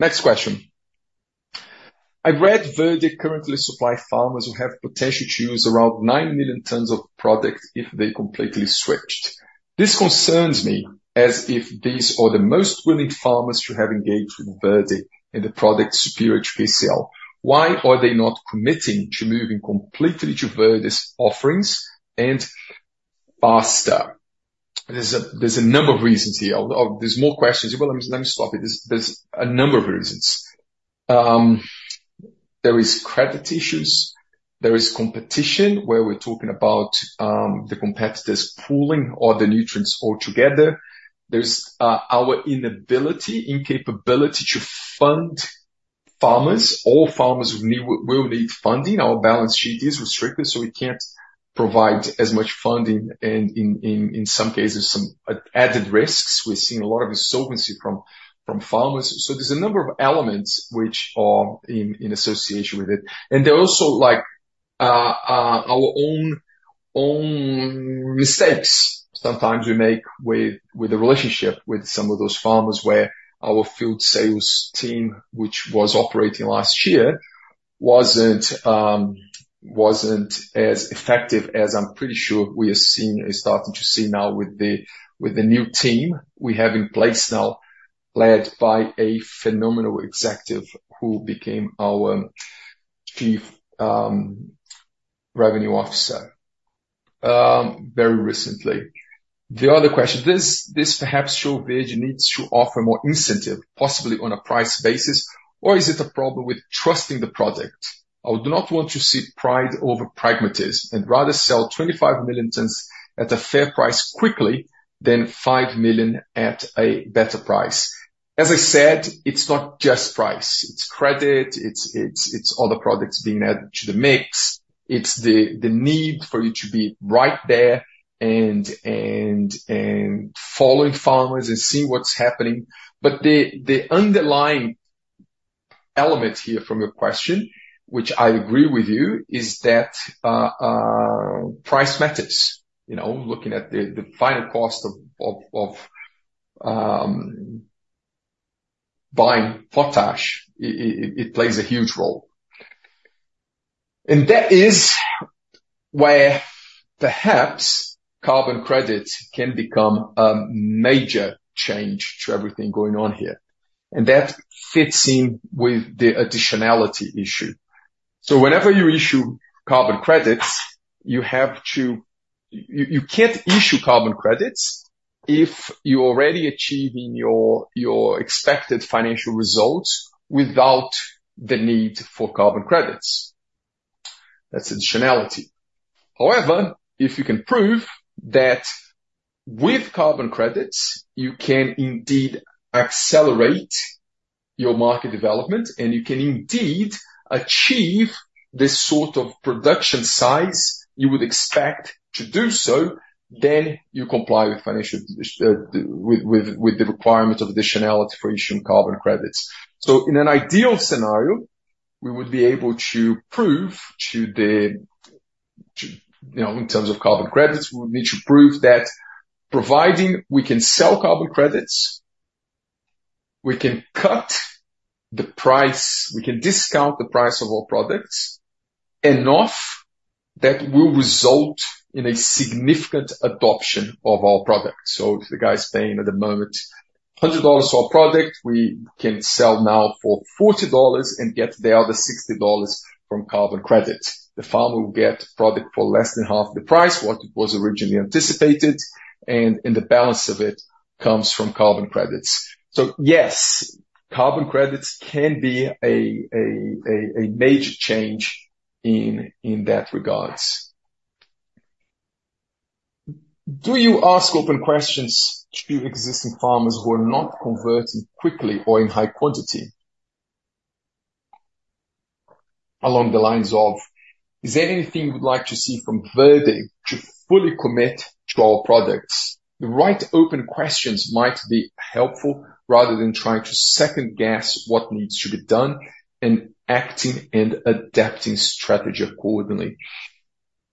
Next question. I read Verde currently supply farmers who have potential to use around 9 million tons of product if they completely switched. This concerns me as if these are the most willing farmers to have engaged with Verde and the product Superior HPCL. Why are they not committing to moving completely to Verde's offerings and faster? There's a number of reasons here. There's more questions. Well, let me stop it. There's a number of reasons. There is credit issues, there is competition, where we're talking about the competitors pooling all the nutrients all together. There's our inability, incapability to fund farmers. All farmers will need, will need funding. Our balance sheet is restricted, so we can't provide as much funding, and in some cases, some added risks. We're seeing a lot of insolvency from farmers. So there's a number of elements which are in association with it, and there are also, like, our own mistakes sometimes we make with the relationship with some of those farmers, where our field sales team, which was operating last year, wasn't as effective as I'm pretty sure we are seeing, are starting to see now with the new team we have in place now, led by a phenomenal executive who became our Chief Revenue Officer very recently. The other question, this perhaps show Verde needs to offer more incentive, possibly on a price basis, or is it a problem with trusting the product? I do not want to see pride over pragmatism and rather sell 25 million tons at a fair price quickly than 5 million at a better price. As I said, it's not just price, it's credit, it's other products being added to the mix. It's the need for you to be right there and following farmers and seeing what's happening. But the underlying element here from your question, which I agree with you, is that price matters. You know, looking at the final cost of buying potash, it plays a huge role. That is where perhaps carbon credits can become a major change to everything going on here, and that fits in with the additionality issue. So whenever you issue carbon credits, you have to. You can't issue carbon credits if you're already achieving your expected financial results without the need for carbon credits. That's additionality. However, if you can prove that with carbon credits, you can indeed accelerate your market development, and you can indeed achieve the sort of production size you would expect to do so, then you comply with financial with the requirement of additionality for issuing carbon credits. So in an ideal scenario, we would be able to prove to the—You know, in terms of carbon credits, we would need to prove that providing we can sell carbon credits, we can cut the price, we can discount the price of our products enough that will result in a significant adoption of our product. So if the guy's paying at the moment $100 for a product, we can sell now for $40 and get the other $60 from carbon credits. The farmer will get product for less than half the price, what it was originally anticipated, and the balance of it comes from carbon credits. So yes, carbon credits can be a major change in that regards. Do you ask open questions to existing farmers who are not converting quickly or in high quantity? Along the lines of, is there anything you'd like to see from Verde to fully commit to our products? The right open questions might be helpful rather than trying to second-guess what needs to be done and acting and adapting strategy accordingly.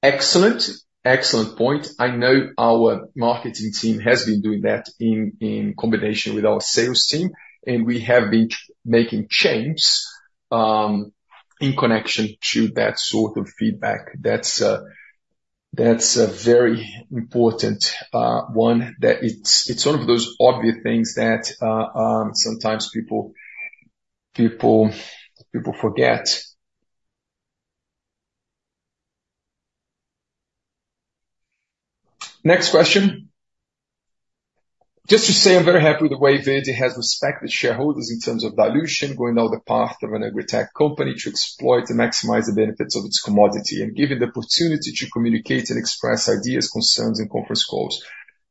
Excellent. Excellent point. I know our marketing team has been doing that in combination with our sales team, and we have been making changes in connection to that sort of feedback. That's a very important one, that it's one of those obvious things that sometimes people forget. Next question. Just to say, I'm very happy with the way Verde has respected shareholders in terms of dilution, going down the path of an agritech company to exploit and maximize the benefits of its commodity, and given the opportunity to communicate and express ideas, concerns, and conference calls.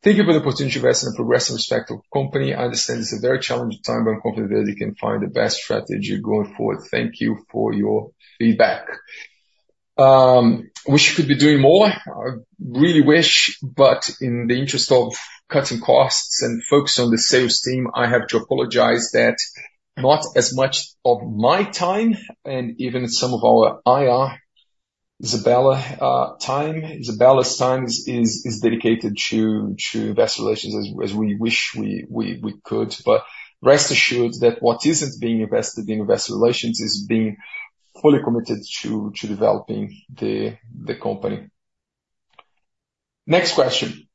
Thank you for the opportunity to invest in a progressive, respected company. I understand it's a very challenging time, but I'm confident Verde can find the best strategy going forward. Thank you for your feedback. Wish we could be doing more. I really wish, but in the interest of cutting costs and focus on the sales team, I have to apologize that not as much of my time, and even some of our IR, Isabella, time, Isabella's time is dedicated to investor relations as we wish we could. But rest assured that what isn't being invested in investor relations is being fully committed to developing the company. Next question.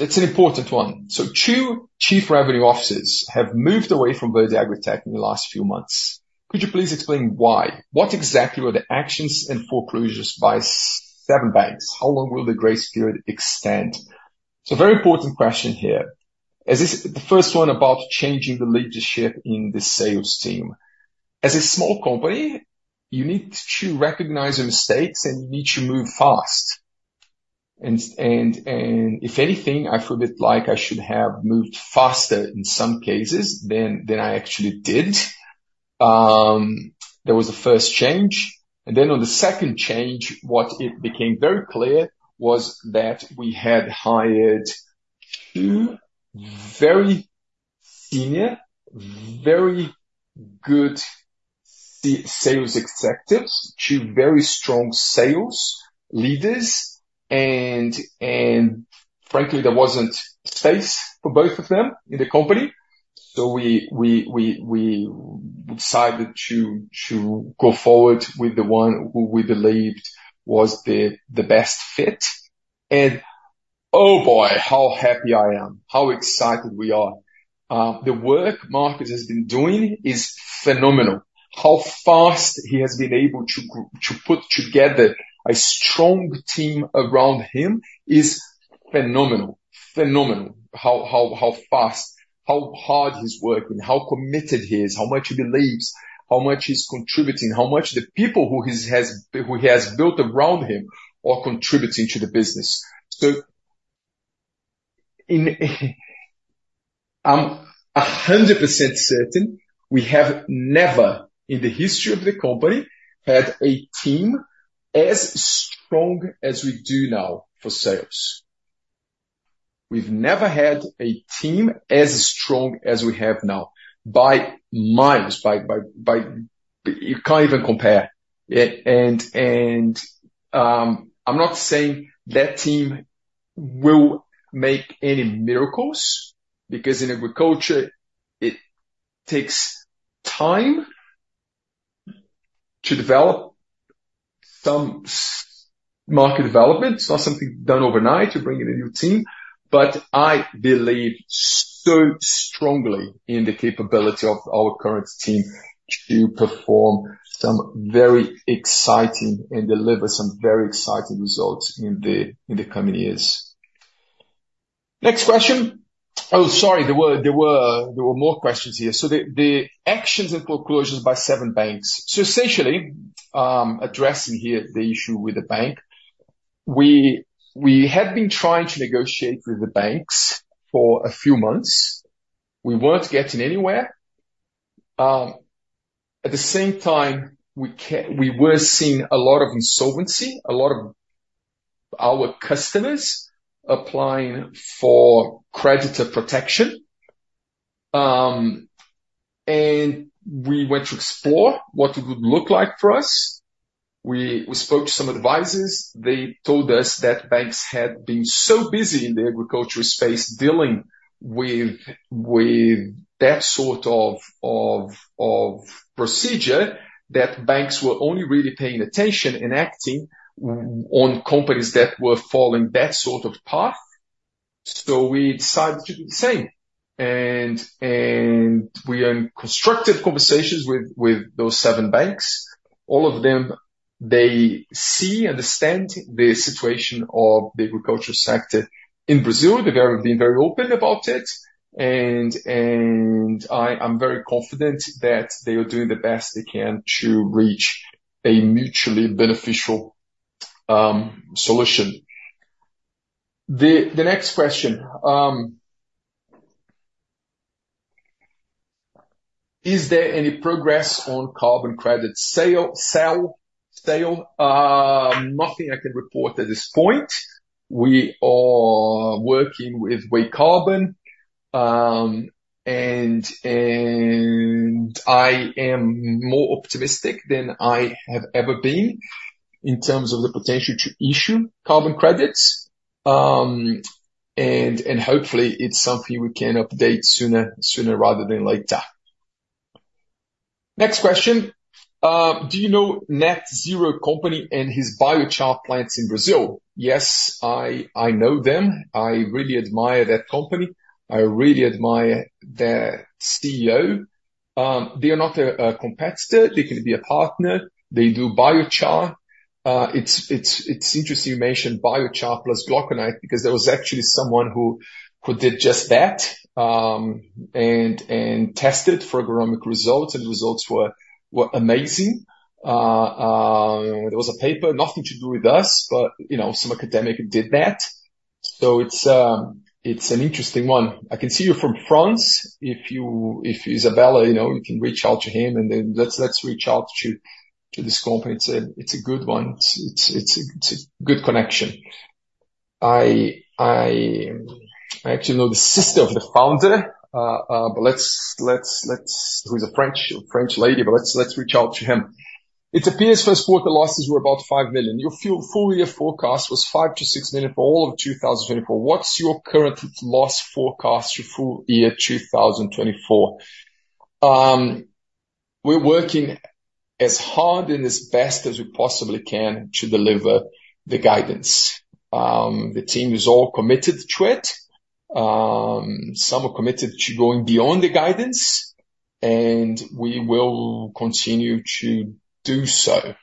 It's an important one. So two Chief Revenue Officers have moved away from Verde AgriTech in the last few months. Could you please explain why? What exactly were the actions and foreclosures by seven banks? How long will the grace period extend? Very important question here. As this, the first one about changing the leadership in the sales team. As a small company, you need to recognize your mistakes, and you need to move fast. And if anything, I feel a bit like I should have moved faster in some cases than I actually did. There was a first change, and then on the second change, what it became very clear was that we had hired two very senior, very good sales executives, two very strong sales leaders, and frankly, there wasn't space for both of them in the company. So we decided to go forward with the one who we believed was the best fit. Oh, boy, how happy I am, how excited we are. The work Marcus has been doing is phenomenal. How fast he has been able to to put together a strong team around him is phenomenal. Phenomenal. How, how, how fast, how hard he's working, how committed he is, how much he believes, how much he's contributing, how much the people who he has built around him are contributing to the business. So, in, I'm 100% certain we have never in the history of the company, had a team as strong as we do now for sales. We've never had a team as strong as we have now, by miles, by, by, by... You can't even compare. And, and, I'm not saying that team will make any miracles, because in agriculture, it takes time to develop some market development. It's not something done overnight to bring in a new team, but I believe so strongly in the capability of our current team to perform some very exciting and deliver some very exciting results in the, in the coming years. Next question. Oh, sorry, there were more questions here. So the actions and foreclosures by seven banks. So essentially, addressing here the issue with the bank, we had been trying to negotiate with the banks for a few months. We weren't getting anywhere. At the same time, we were seeing a lot of insolvency, a lot of our customers applying for creditor protection, and we went to explore what it would look like for us. We spoke to some advisors. They told us that banks had been so busy in the agricultural space dealing with that sort of procedure that banks were only really paying attention and acting on companies that were following that sort of path. So we decided to do the same. And we are in constructive conversations with those seven banks. All of them, they see, understand the situation of the agricultural sector in Brazil. They've ever been very open about it, and I am very confident that they are doing the best they can to reach a mutually beneficial solution. The next question is there any progress on carbon credit sale? Nothing I can report at this point. We are working with WayCarbon, and I am more optimistic than I have ever been in terms of the potential to issue carbon credits, and hopefully, it's something we can update sooner rather than later. Next question. Do you know NetZero company and his biochar plants in Brazil? Yes, I know them. I really admire that company. I really admire their CEO. They are not a competitor, they can be a partner. They do biochar. It's interesting you mentioned biochar plus glauconite, because there was actually someone who did just that, and tested for agronomic results, and the results were amazing. There was a paper, nothing to do with us, but, you know, some academic did that. So it's an interesting one. I can see you're from France. If Isabella, you know, you can reach out to him, and then let's reach out to this company. It's a good one. It's a good connection. I actually know the sister of the founder. But let's, who is a French lady, but let's reach out to him. It appears Q1 losses were about 5 million. Your full year forecast was 5 million-6 million for all of 2024. What's your current loss forecast for full year 2024? We're working as hard and as best as we possibly can to deliver the guidance. The team is all committed to it. Some are committed to going beyond the guidance, and we will continue to do so.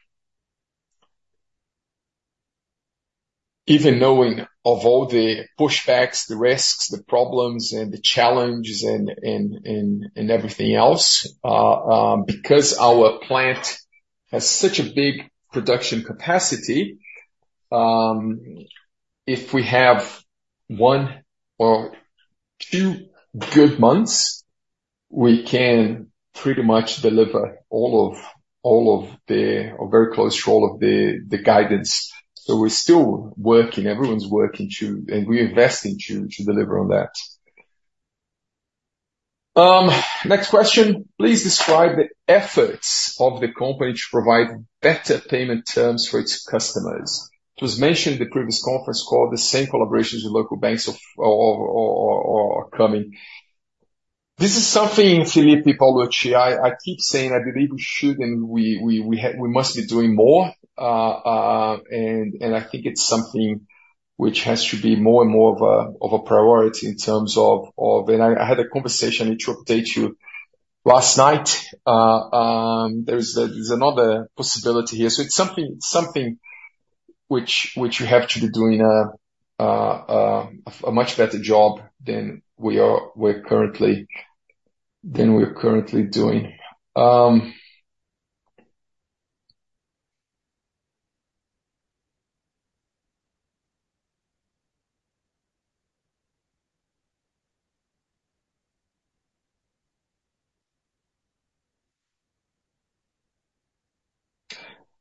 Even knowing of all the pushbacks, the risks, the problems, and the challenges, and everything else, because our plant has such a big production capacity, if we have one or two good months, we can pretty much deliver all of the or very close to all of the guidance. So we're still working, everyone's working to... And we're investing to deliver on that. Next question. Please describe the efforts of the company to provide better payment terms for its customers. It was mentioned in the previous conference call, the same collaborations with local banks are coming. This is something, Felipe Paolucci, I keep saying I believe we should, and we must be doing more. I think it's something which has to be more and more of a priority in terms of... I had a conversation, to update you, last night. There's another possibility here. So it's something which we have to be doing a much better job than we're currently doing.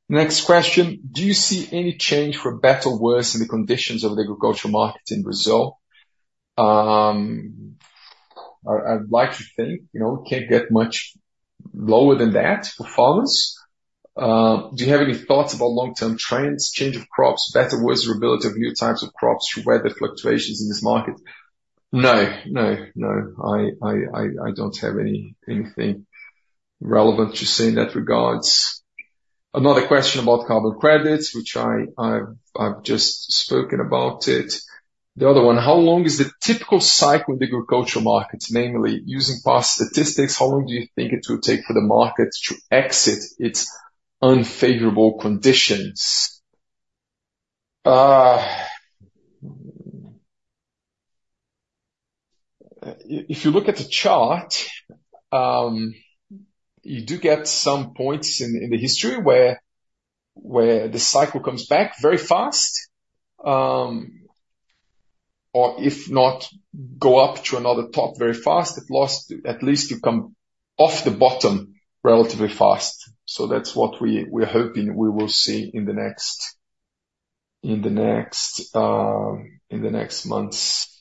Next question: Do you see any change for better or worse in the conditions of the agricultural markets in Brazil? I'd like to think, you know, it can't get much lower than that for farmers. Do you have any thoughts about long-term trends, change of crops, better or worse availability of new types of crops through weather fluctuations in this market? No, no, no. I don't have anything relevant to say in that regard. Another question about carbon credits, which I've just spoken about it. The other one, how long is the typical cycle of the agricultural markets, namely using past statistics, how long do you think it will take for the market to exit its unfavorable conditions? If you look at the chart, you do get some points in the history where the cycle comes back very fast, or if not, go up to another top very fast, at least you come off the bottom relatively fast. So that's what we're hoping we will see in the next months.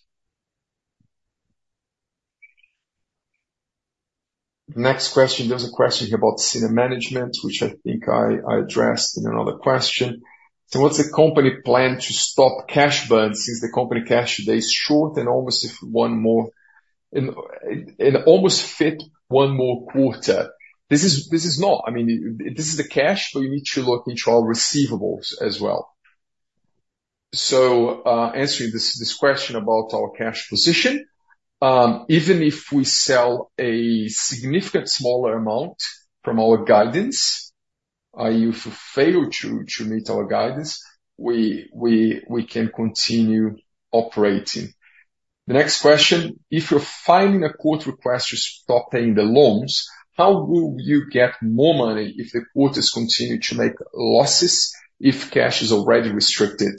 The next question, there's a question about senior management, which I think I addressed in another question. So what's the company's plan to stop cash burn since the company's cash today is short and almost if one more and almost fit one more quarter? This is not—I mean, this is the cash, but you need to look into our receivables as well. So, answering this question about our cash position, even if we sell a significant smaller amount from our guidance, i.e., if we fail to meet our guidance, we can continue operating. The next question, if you're filing a court request to stop paying the loans, how will you get more money if the quarters continue to make losses, if cash is already restricted?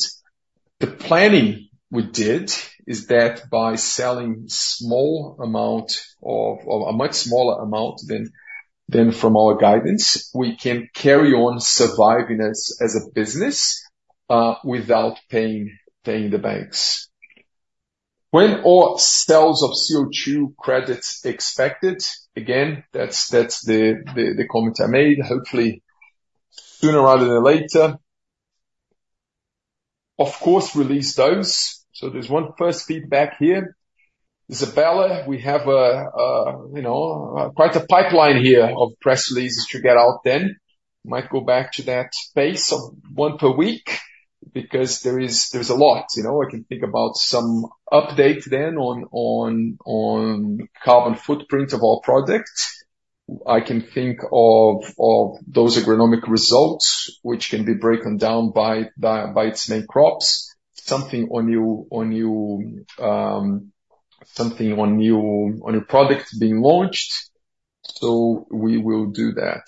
The planning we did is that by selling small amount or a much smaller amount than from our guidance, we can carry on surviving as a business without paying the banks. When are sales of CO2 credits expected? Again, that's the comment I made. Hopefully, sooner rather than later. Of course, release those. So there's one first feedback here. Isabella, we have, you know, quite a pipeline here of press releases to get out then. Might go back to that pace of one per week because there is, there's a lot, you know. I can think about some update then on carbon footprint of our products. I can think of those agronomic results, which can be broken down by its main crops, something on new, on a product being launched. So we will do that.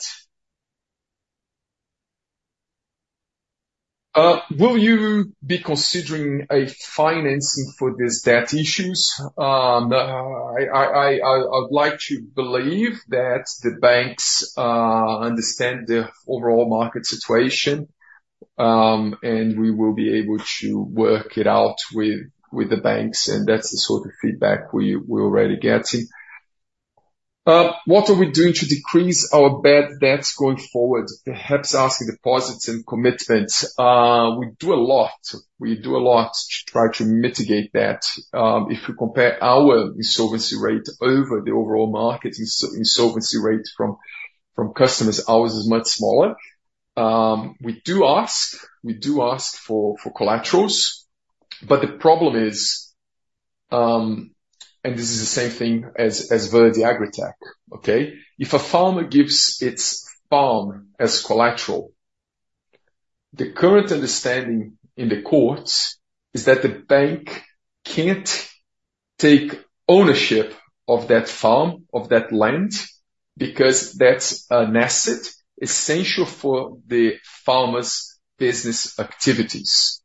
Will you be considering a financing for this debt issues? I would like to believe that the banks understand the overall market situation, and we will be able to work it out with the banks, and that's the sort of feedback we're already getting. What are we doing to decrease our bad debts going forward? Perhaps asking deposits and commitments. We do a lot. We do a lot to try to mitigate that. If you compare our insolvency rate over the overall market, insolvency rates from customers, ours is much smaller. We do ask for collaterals, but the problem is, and this is the same thing as Verde AgriTech, okay? If a farmer gives its farm as collateral, the current understanding in the courts is that the bank can't take ownership of that farm, of that land, because that's an asset essential for the farmer's business activities,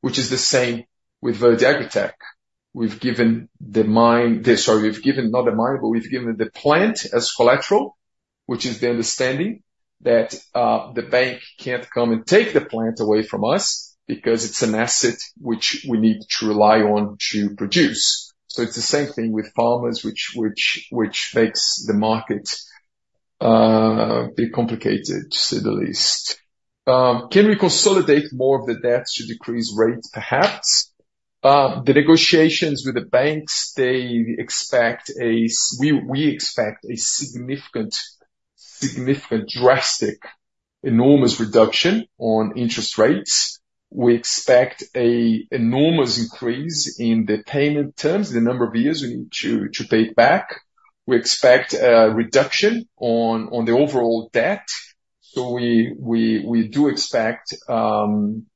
which is the same with Verde AgriTech. We've given the mine, sorry, we've given not the mine, but we've given the plant as collateral, which is the understanding that the bank can't come and take the plant away from us because it's an asset which we need to rely on to produce. So it's the same thing with farmers, which makes the market a bit complicated, to say the least. Can we consolidate more of the debts to decrease rates? Perhaps. The negotiations with the banks, we expect a significant, drastic, enormous reduction on interest rates. We expect an enormous increase in the payment terms, the number of years we need to pay it back. We expect a reduction on the overall debt, so we do expect an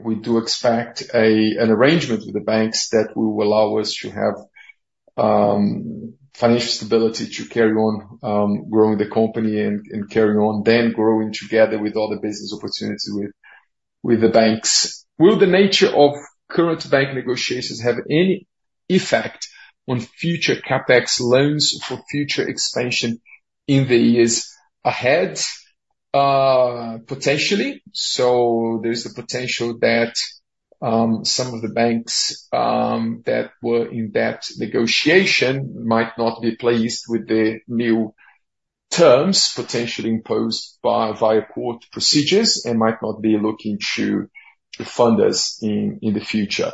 arrangement with the banks that will allow us to have financial stability to carry on growing the company and carrying on, then growing together with all the business opportunities with the banks. Will the nature of current bank negotiations have any effect on future CapEx loans for future expansion in the years ahead? Potentially. So there is the potential that some of the banks that were in that negotiation might not be pleased with the new terms, potentially imposed by via court procedures and might not be looking to fund us in the future.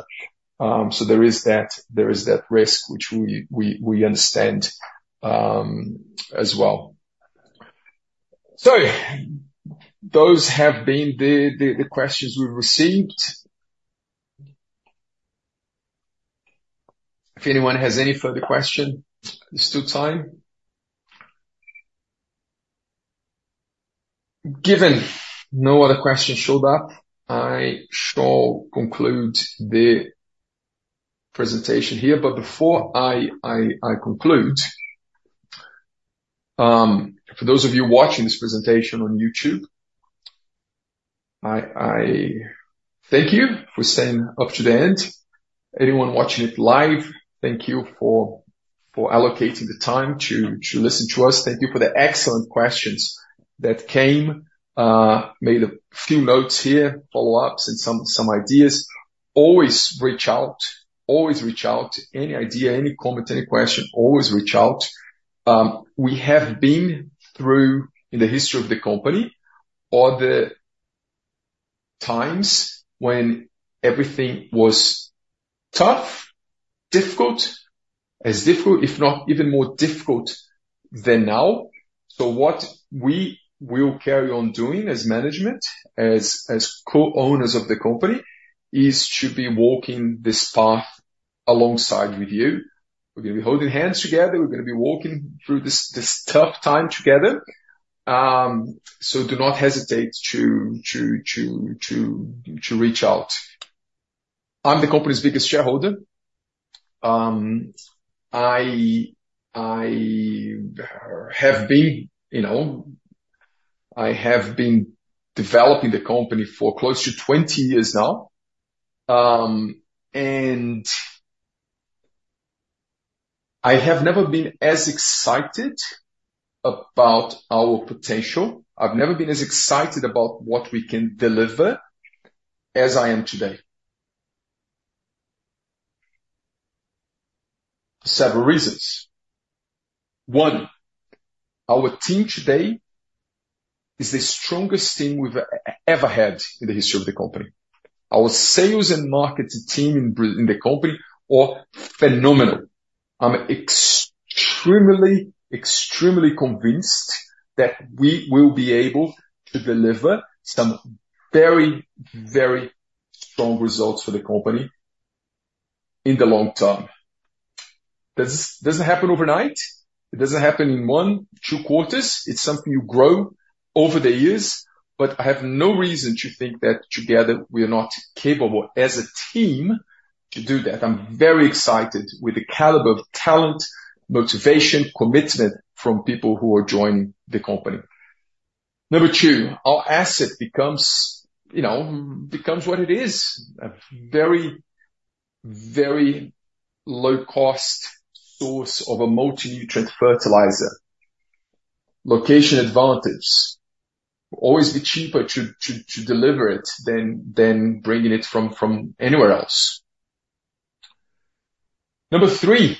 So there is that, there is that risk, which we understand as well. So those have been the questions we've received. If anyone has any further question, there's still time. Given no other questions showed up, I shall conclude the presentation here. But before I conclude, for those of you watching this presentation on YouTube, I thank you for staying up to the end. Anyone watching it live, thank you for allocating the time to listen to us. Thank you for the excellent questions that came. Made a few notes here, follow-ups and some ideas. Always reach out, always reach out, any idea, any comment, any question, always reach out. We have been through, in the history of the company, all the times when everything was tough, difficult, as difficult, if not even more difficult than now. So what we will carry on doing as management, as co-owners of the company, is to be walking this path alongside with you. We're gonna be holding hands together, we're gonna be walking through this tough time together, so do not hesitate to reach out. I'm the company's biggest shareholder. I have been, you know, I have been developing the company for close to 20 years now, and I have never been as excited about our potential. I've never been as excited about what we can deliver as I am today. Several reasons. One, our team today is the strongest team we've ever had in the history of the company. Our sales and market team in the company are phenomenal. I'm extremely, extremely convinced that we will be able to deliver some very, very strong results for the company in the long term. This doesn't happen overnight. It doesn't happen in one, two quarters. It's something you grow over the years, but I have no reason to think that together we are not capable as a team to do that. I'm very excited with the caliber of talent, motivation, commitment from people who are joining the company. Number two, our asset becomes, you know, becomes what it is, a very, very low cost source of a multi-nutrient fertilizer. Location advantage. Always be cheaper to deliver it than bringing it from anywhere else. 3,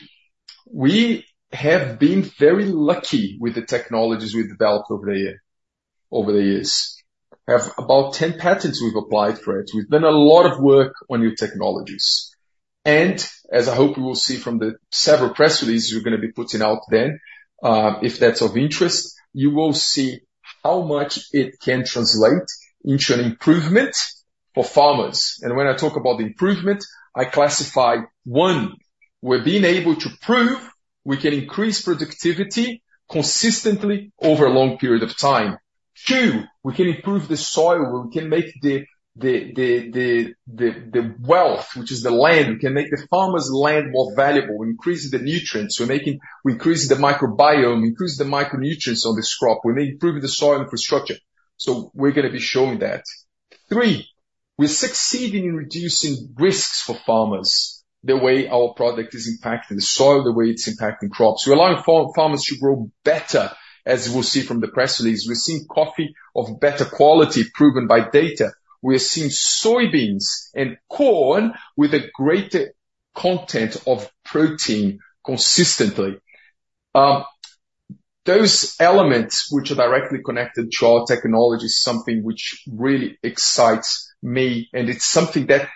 we have been very lucky with the technologies we've developed over the years. We have about 10 patents we've applied for it. We've done a lot of work on new technologies, and as I hope you will see from the several press releases we're gonna be putting out there, if that's of interest, you will see how much it can translate into an improvement for farmers. And when I talk about the improvement, I classify, 1, we're being able to prove we can increase productivity consistently over a long period of time. 2, we can improve the soil, we can make the wealth, which is the land, we can make the farmer's land more valuable. We're increasing the nutrients, we're increasing the microbiome, increasing the micronutrients of this crop. We're improving the soil infrastructure. So we're gonna be showing that. Three, we're succeeding in reducing risks for farmers, the way our product is impacting the soil, the way it's impacting crops. We're allowing farmers to grow better, as we'll see from the press release. We're seeing coffee of better quality proven by data. We are seeing soybeans and corn with a greater content of protein consistently. Those elements, which are directly connected to our technology, is something which really excites me, and it's something that,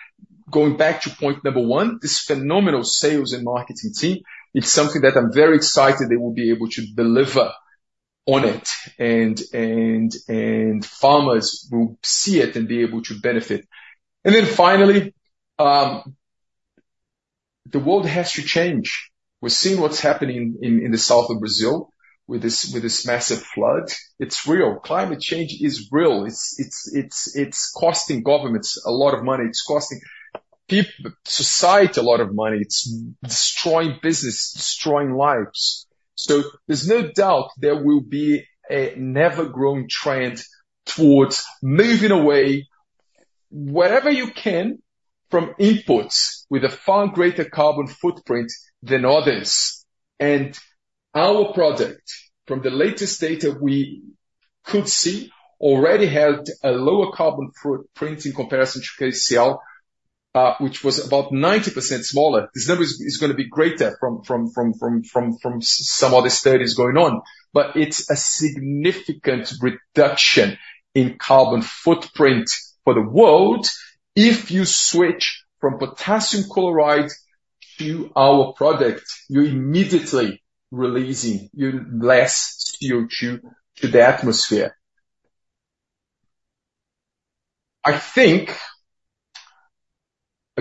going back to point number one, this phenomenal sales and marketing team, it's something that I'm very excited they will be able to deliver on it, and, and, and farmers will see it and be able to benefit. And then finally, the world has to change. We're seeing what's happening in the south of Brazil with this massive flood. It's real. Climate change is real. It's costing governments a lot of money. It's costing society a lot of money. It's destroying business, destroying lives. So there's no doubt there will be a never-growing trend towards moving away wherever you can from inputs with a far greater carbon footprint than others. And our product, from the latest data we could see, already had a lower carbon footprint in comparison to KCl, which was about 90% smaller. This number is gonna be greater from some other studies going on, but it's a significant reduction in carbon footprint for the world. If you switch from potassium chloride to our product, you're immediately releasing less CO2 to the atmosphere. I think,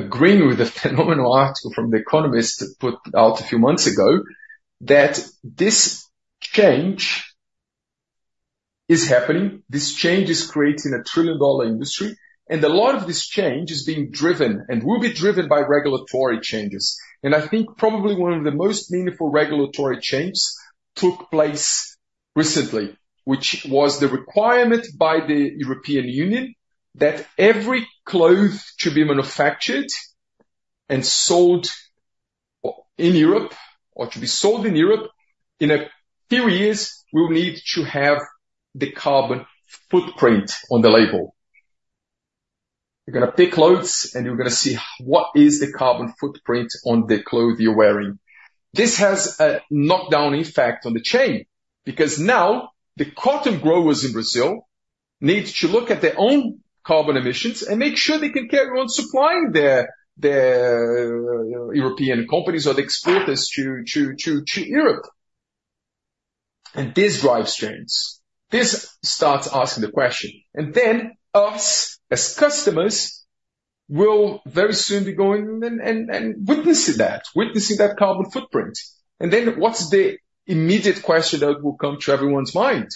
agreeing with the phenomenal article from The Economist that put out a few months ago, that this change is happening. This change is creating a trillion-dollar industry, and a lot of this change is being driven and will be driven by regulatory changes. And I think probably one of the most meaningful regulatory changes took place recently, which was the requirement by the European Union that every cloth to be manufactured and sold in Europe or to be sold in Europe, in a few years, we will need to have the carbon footprint on the label. You're gonna pick clothes, and you're gonna see what is the carbon footprint on the cloth you're wearing. This has a knock-down effect on the chain, because now the cotton growers in Brazil need to look at their own carbon emissions and make sure they can carry on supplying their European companies or the exporters to Europe. This drives change. This starts asking the question, and then us, as customers, will very soon be going and witnessing that carbon footprint. Then what's the immediate question that will come to everyone's mind?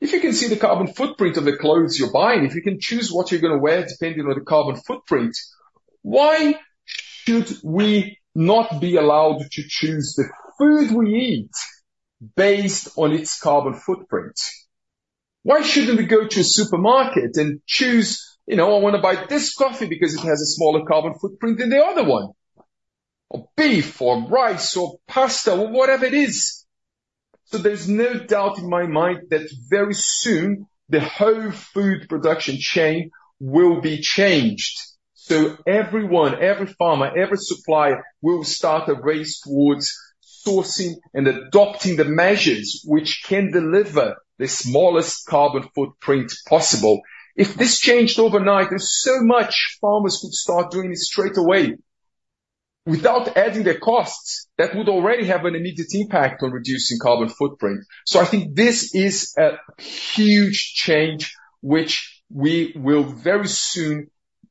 If you can see the carbon footprint of the clothes you're buying, if you can choose what you're gonna wear depending on the carbon footprint, why should we not be allowed to choose the food we eat based on its carbon footprint? Why shouldn't we go to a supermarket and choose, you know, I wanna buy this coffee because it has a smaller carbon footprint than the other one? Or beef or rice or pasta or whatever it is. So there's no doubt in my mind that very soon, the whole food production chain will be changed. So everyone, every farmer, every supplier, will start a race towards sourcing and adopting the measures which can deliver the smallest carbon footprint possible. If this changed overnight, there's so much farmers could start doing it straight away. Without adding the costs, that would already have an immediate impact on reducing carbon footprint. So I think this is a huge change, which we will very soon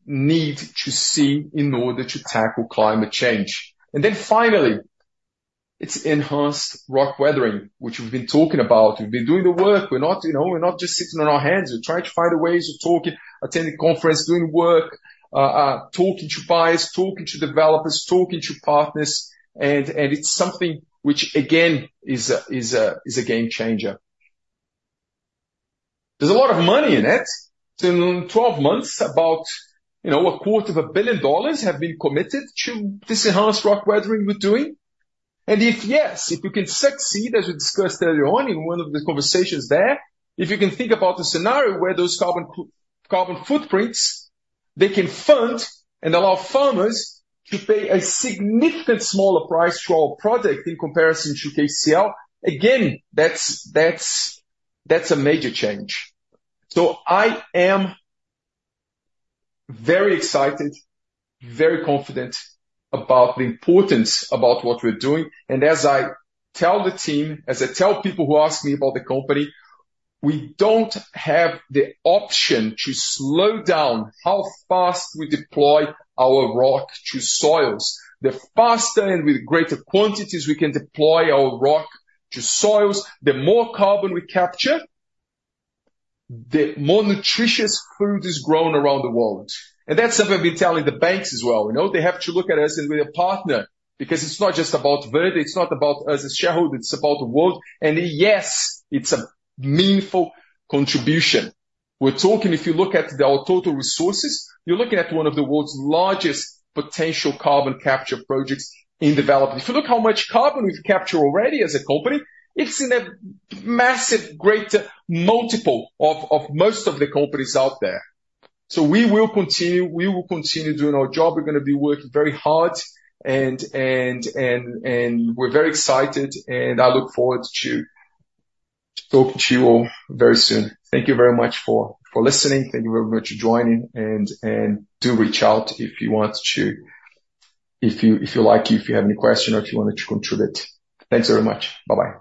need to see in order to tackle climate change. And then finally, it's Enhanced Rock Weathering, which we've been talking about. We've been doing the work. We're not, you know, we're not just sitting on our hands. We're trying to find ways of talking, attending conference, doing work, talking to buyers, talking to developers, talking to partners, and it's something which, again, is a game changer. There's a lot of money in it. So in 12 months, about, you know, $250 million have been committed to this Enhanced Rock Weathering we're doing. And if, yes, if we can succeed, as we discussed earlier on in one of the conversations there, if you can think about a scenario where those carbon co-carbon footprints, they can fund and allow farmers to pay a significant smaller price for our product in comparison to KCl, again, that's a major change. So I am very excited, very confident about the importance about what we're doing. As I tell the team, as I tell people who ask me about the company, we don't have the option to slow down how fast we deploy our rock to soils. The faster and with greater quantities we can deploy our rock to soils, the more carbon we capture, the more nutritious food is grown around the world. And that's something we tell the banks as well. You know, they have to look at us and be a partner, because it's not just about Verde, it's not about us as shareholder, it's about the world. And yes, it's a meaningful contribution. We're talking, if you look at our total resources, you're looking at one of the world's largest potential carbon capture projects in development. If you look how much carbon we've captured already as a company, it's in a massive, greater multiple of most of the companies out there. So we will continue, we will continue doing our job. We're gonna be working very hard, and we're very excited, and I look forward to talking to you all very soon. Thank you very much for listening. Thank you very much for joining, and do reach out if you want to. If you like, if you have any questions or if you wanted to contribute. Thanks very much. Bye-bye.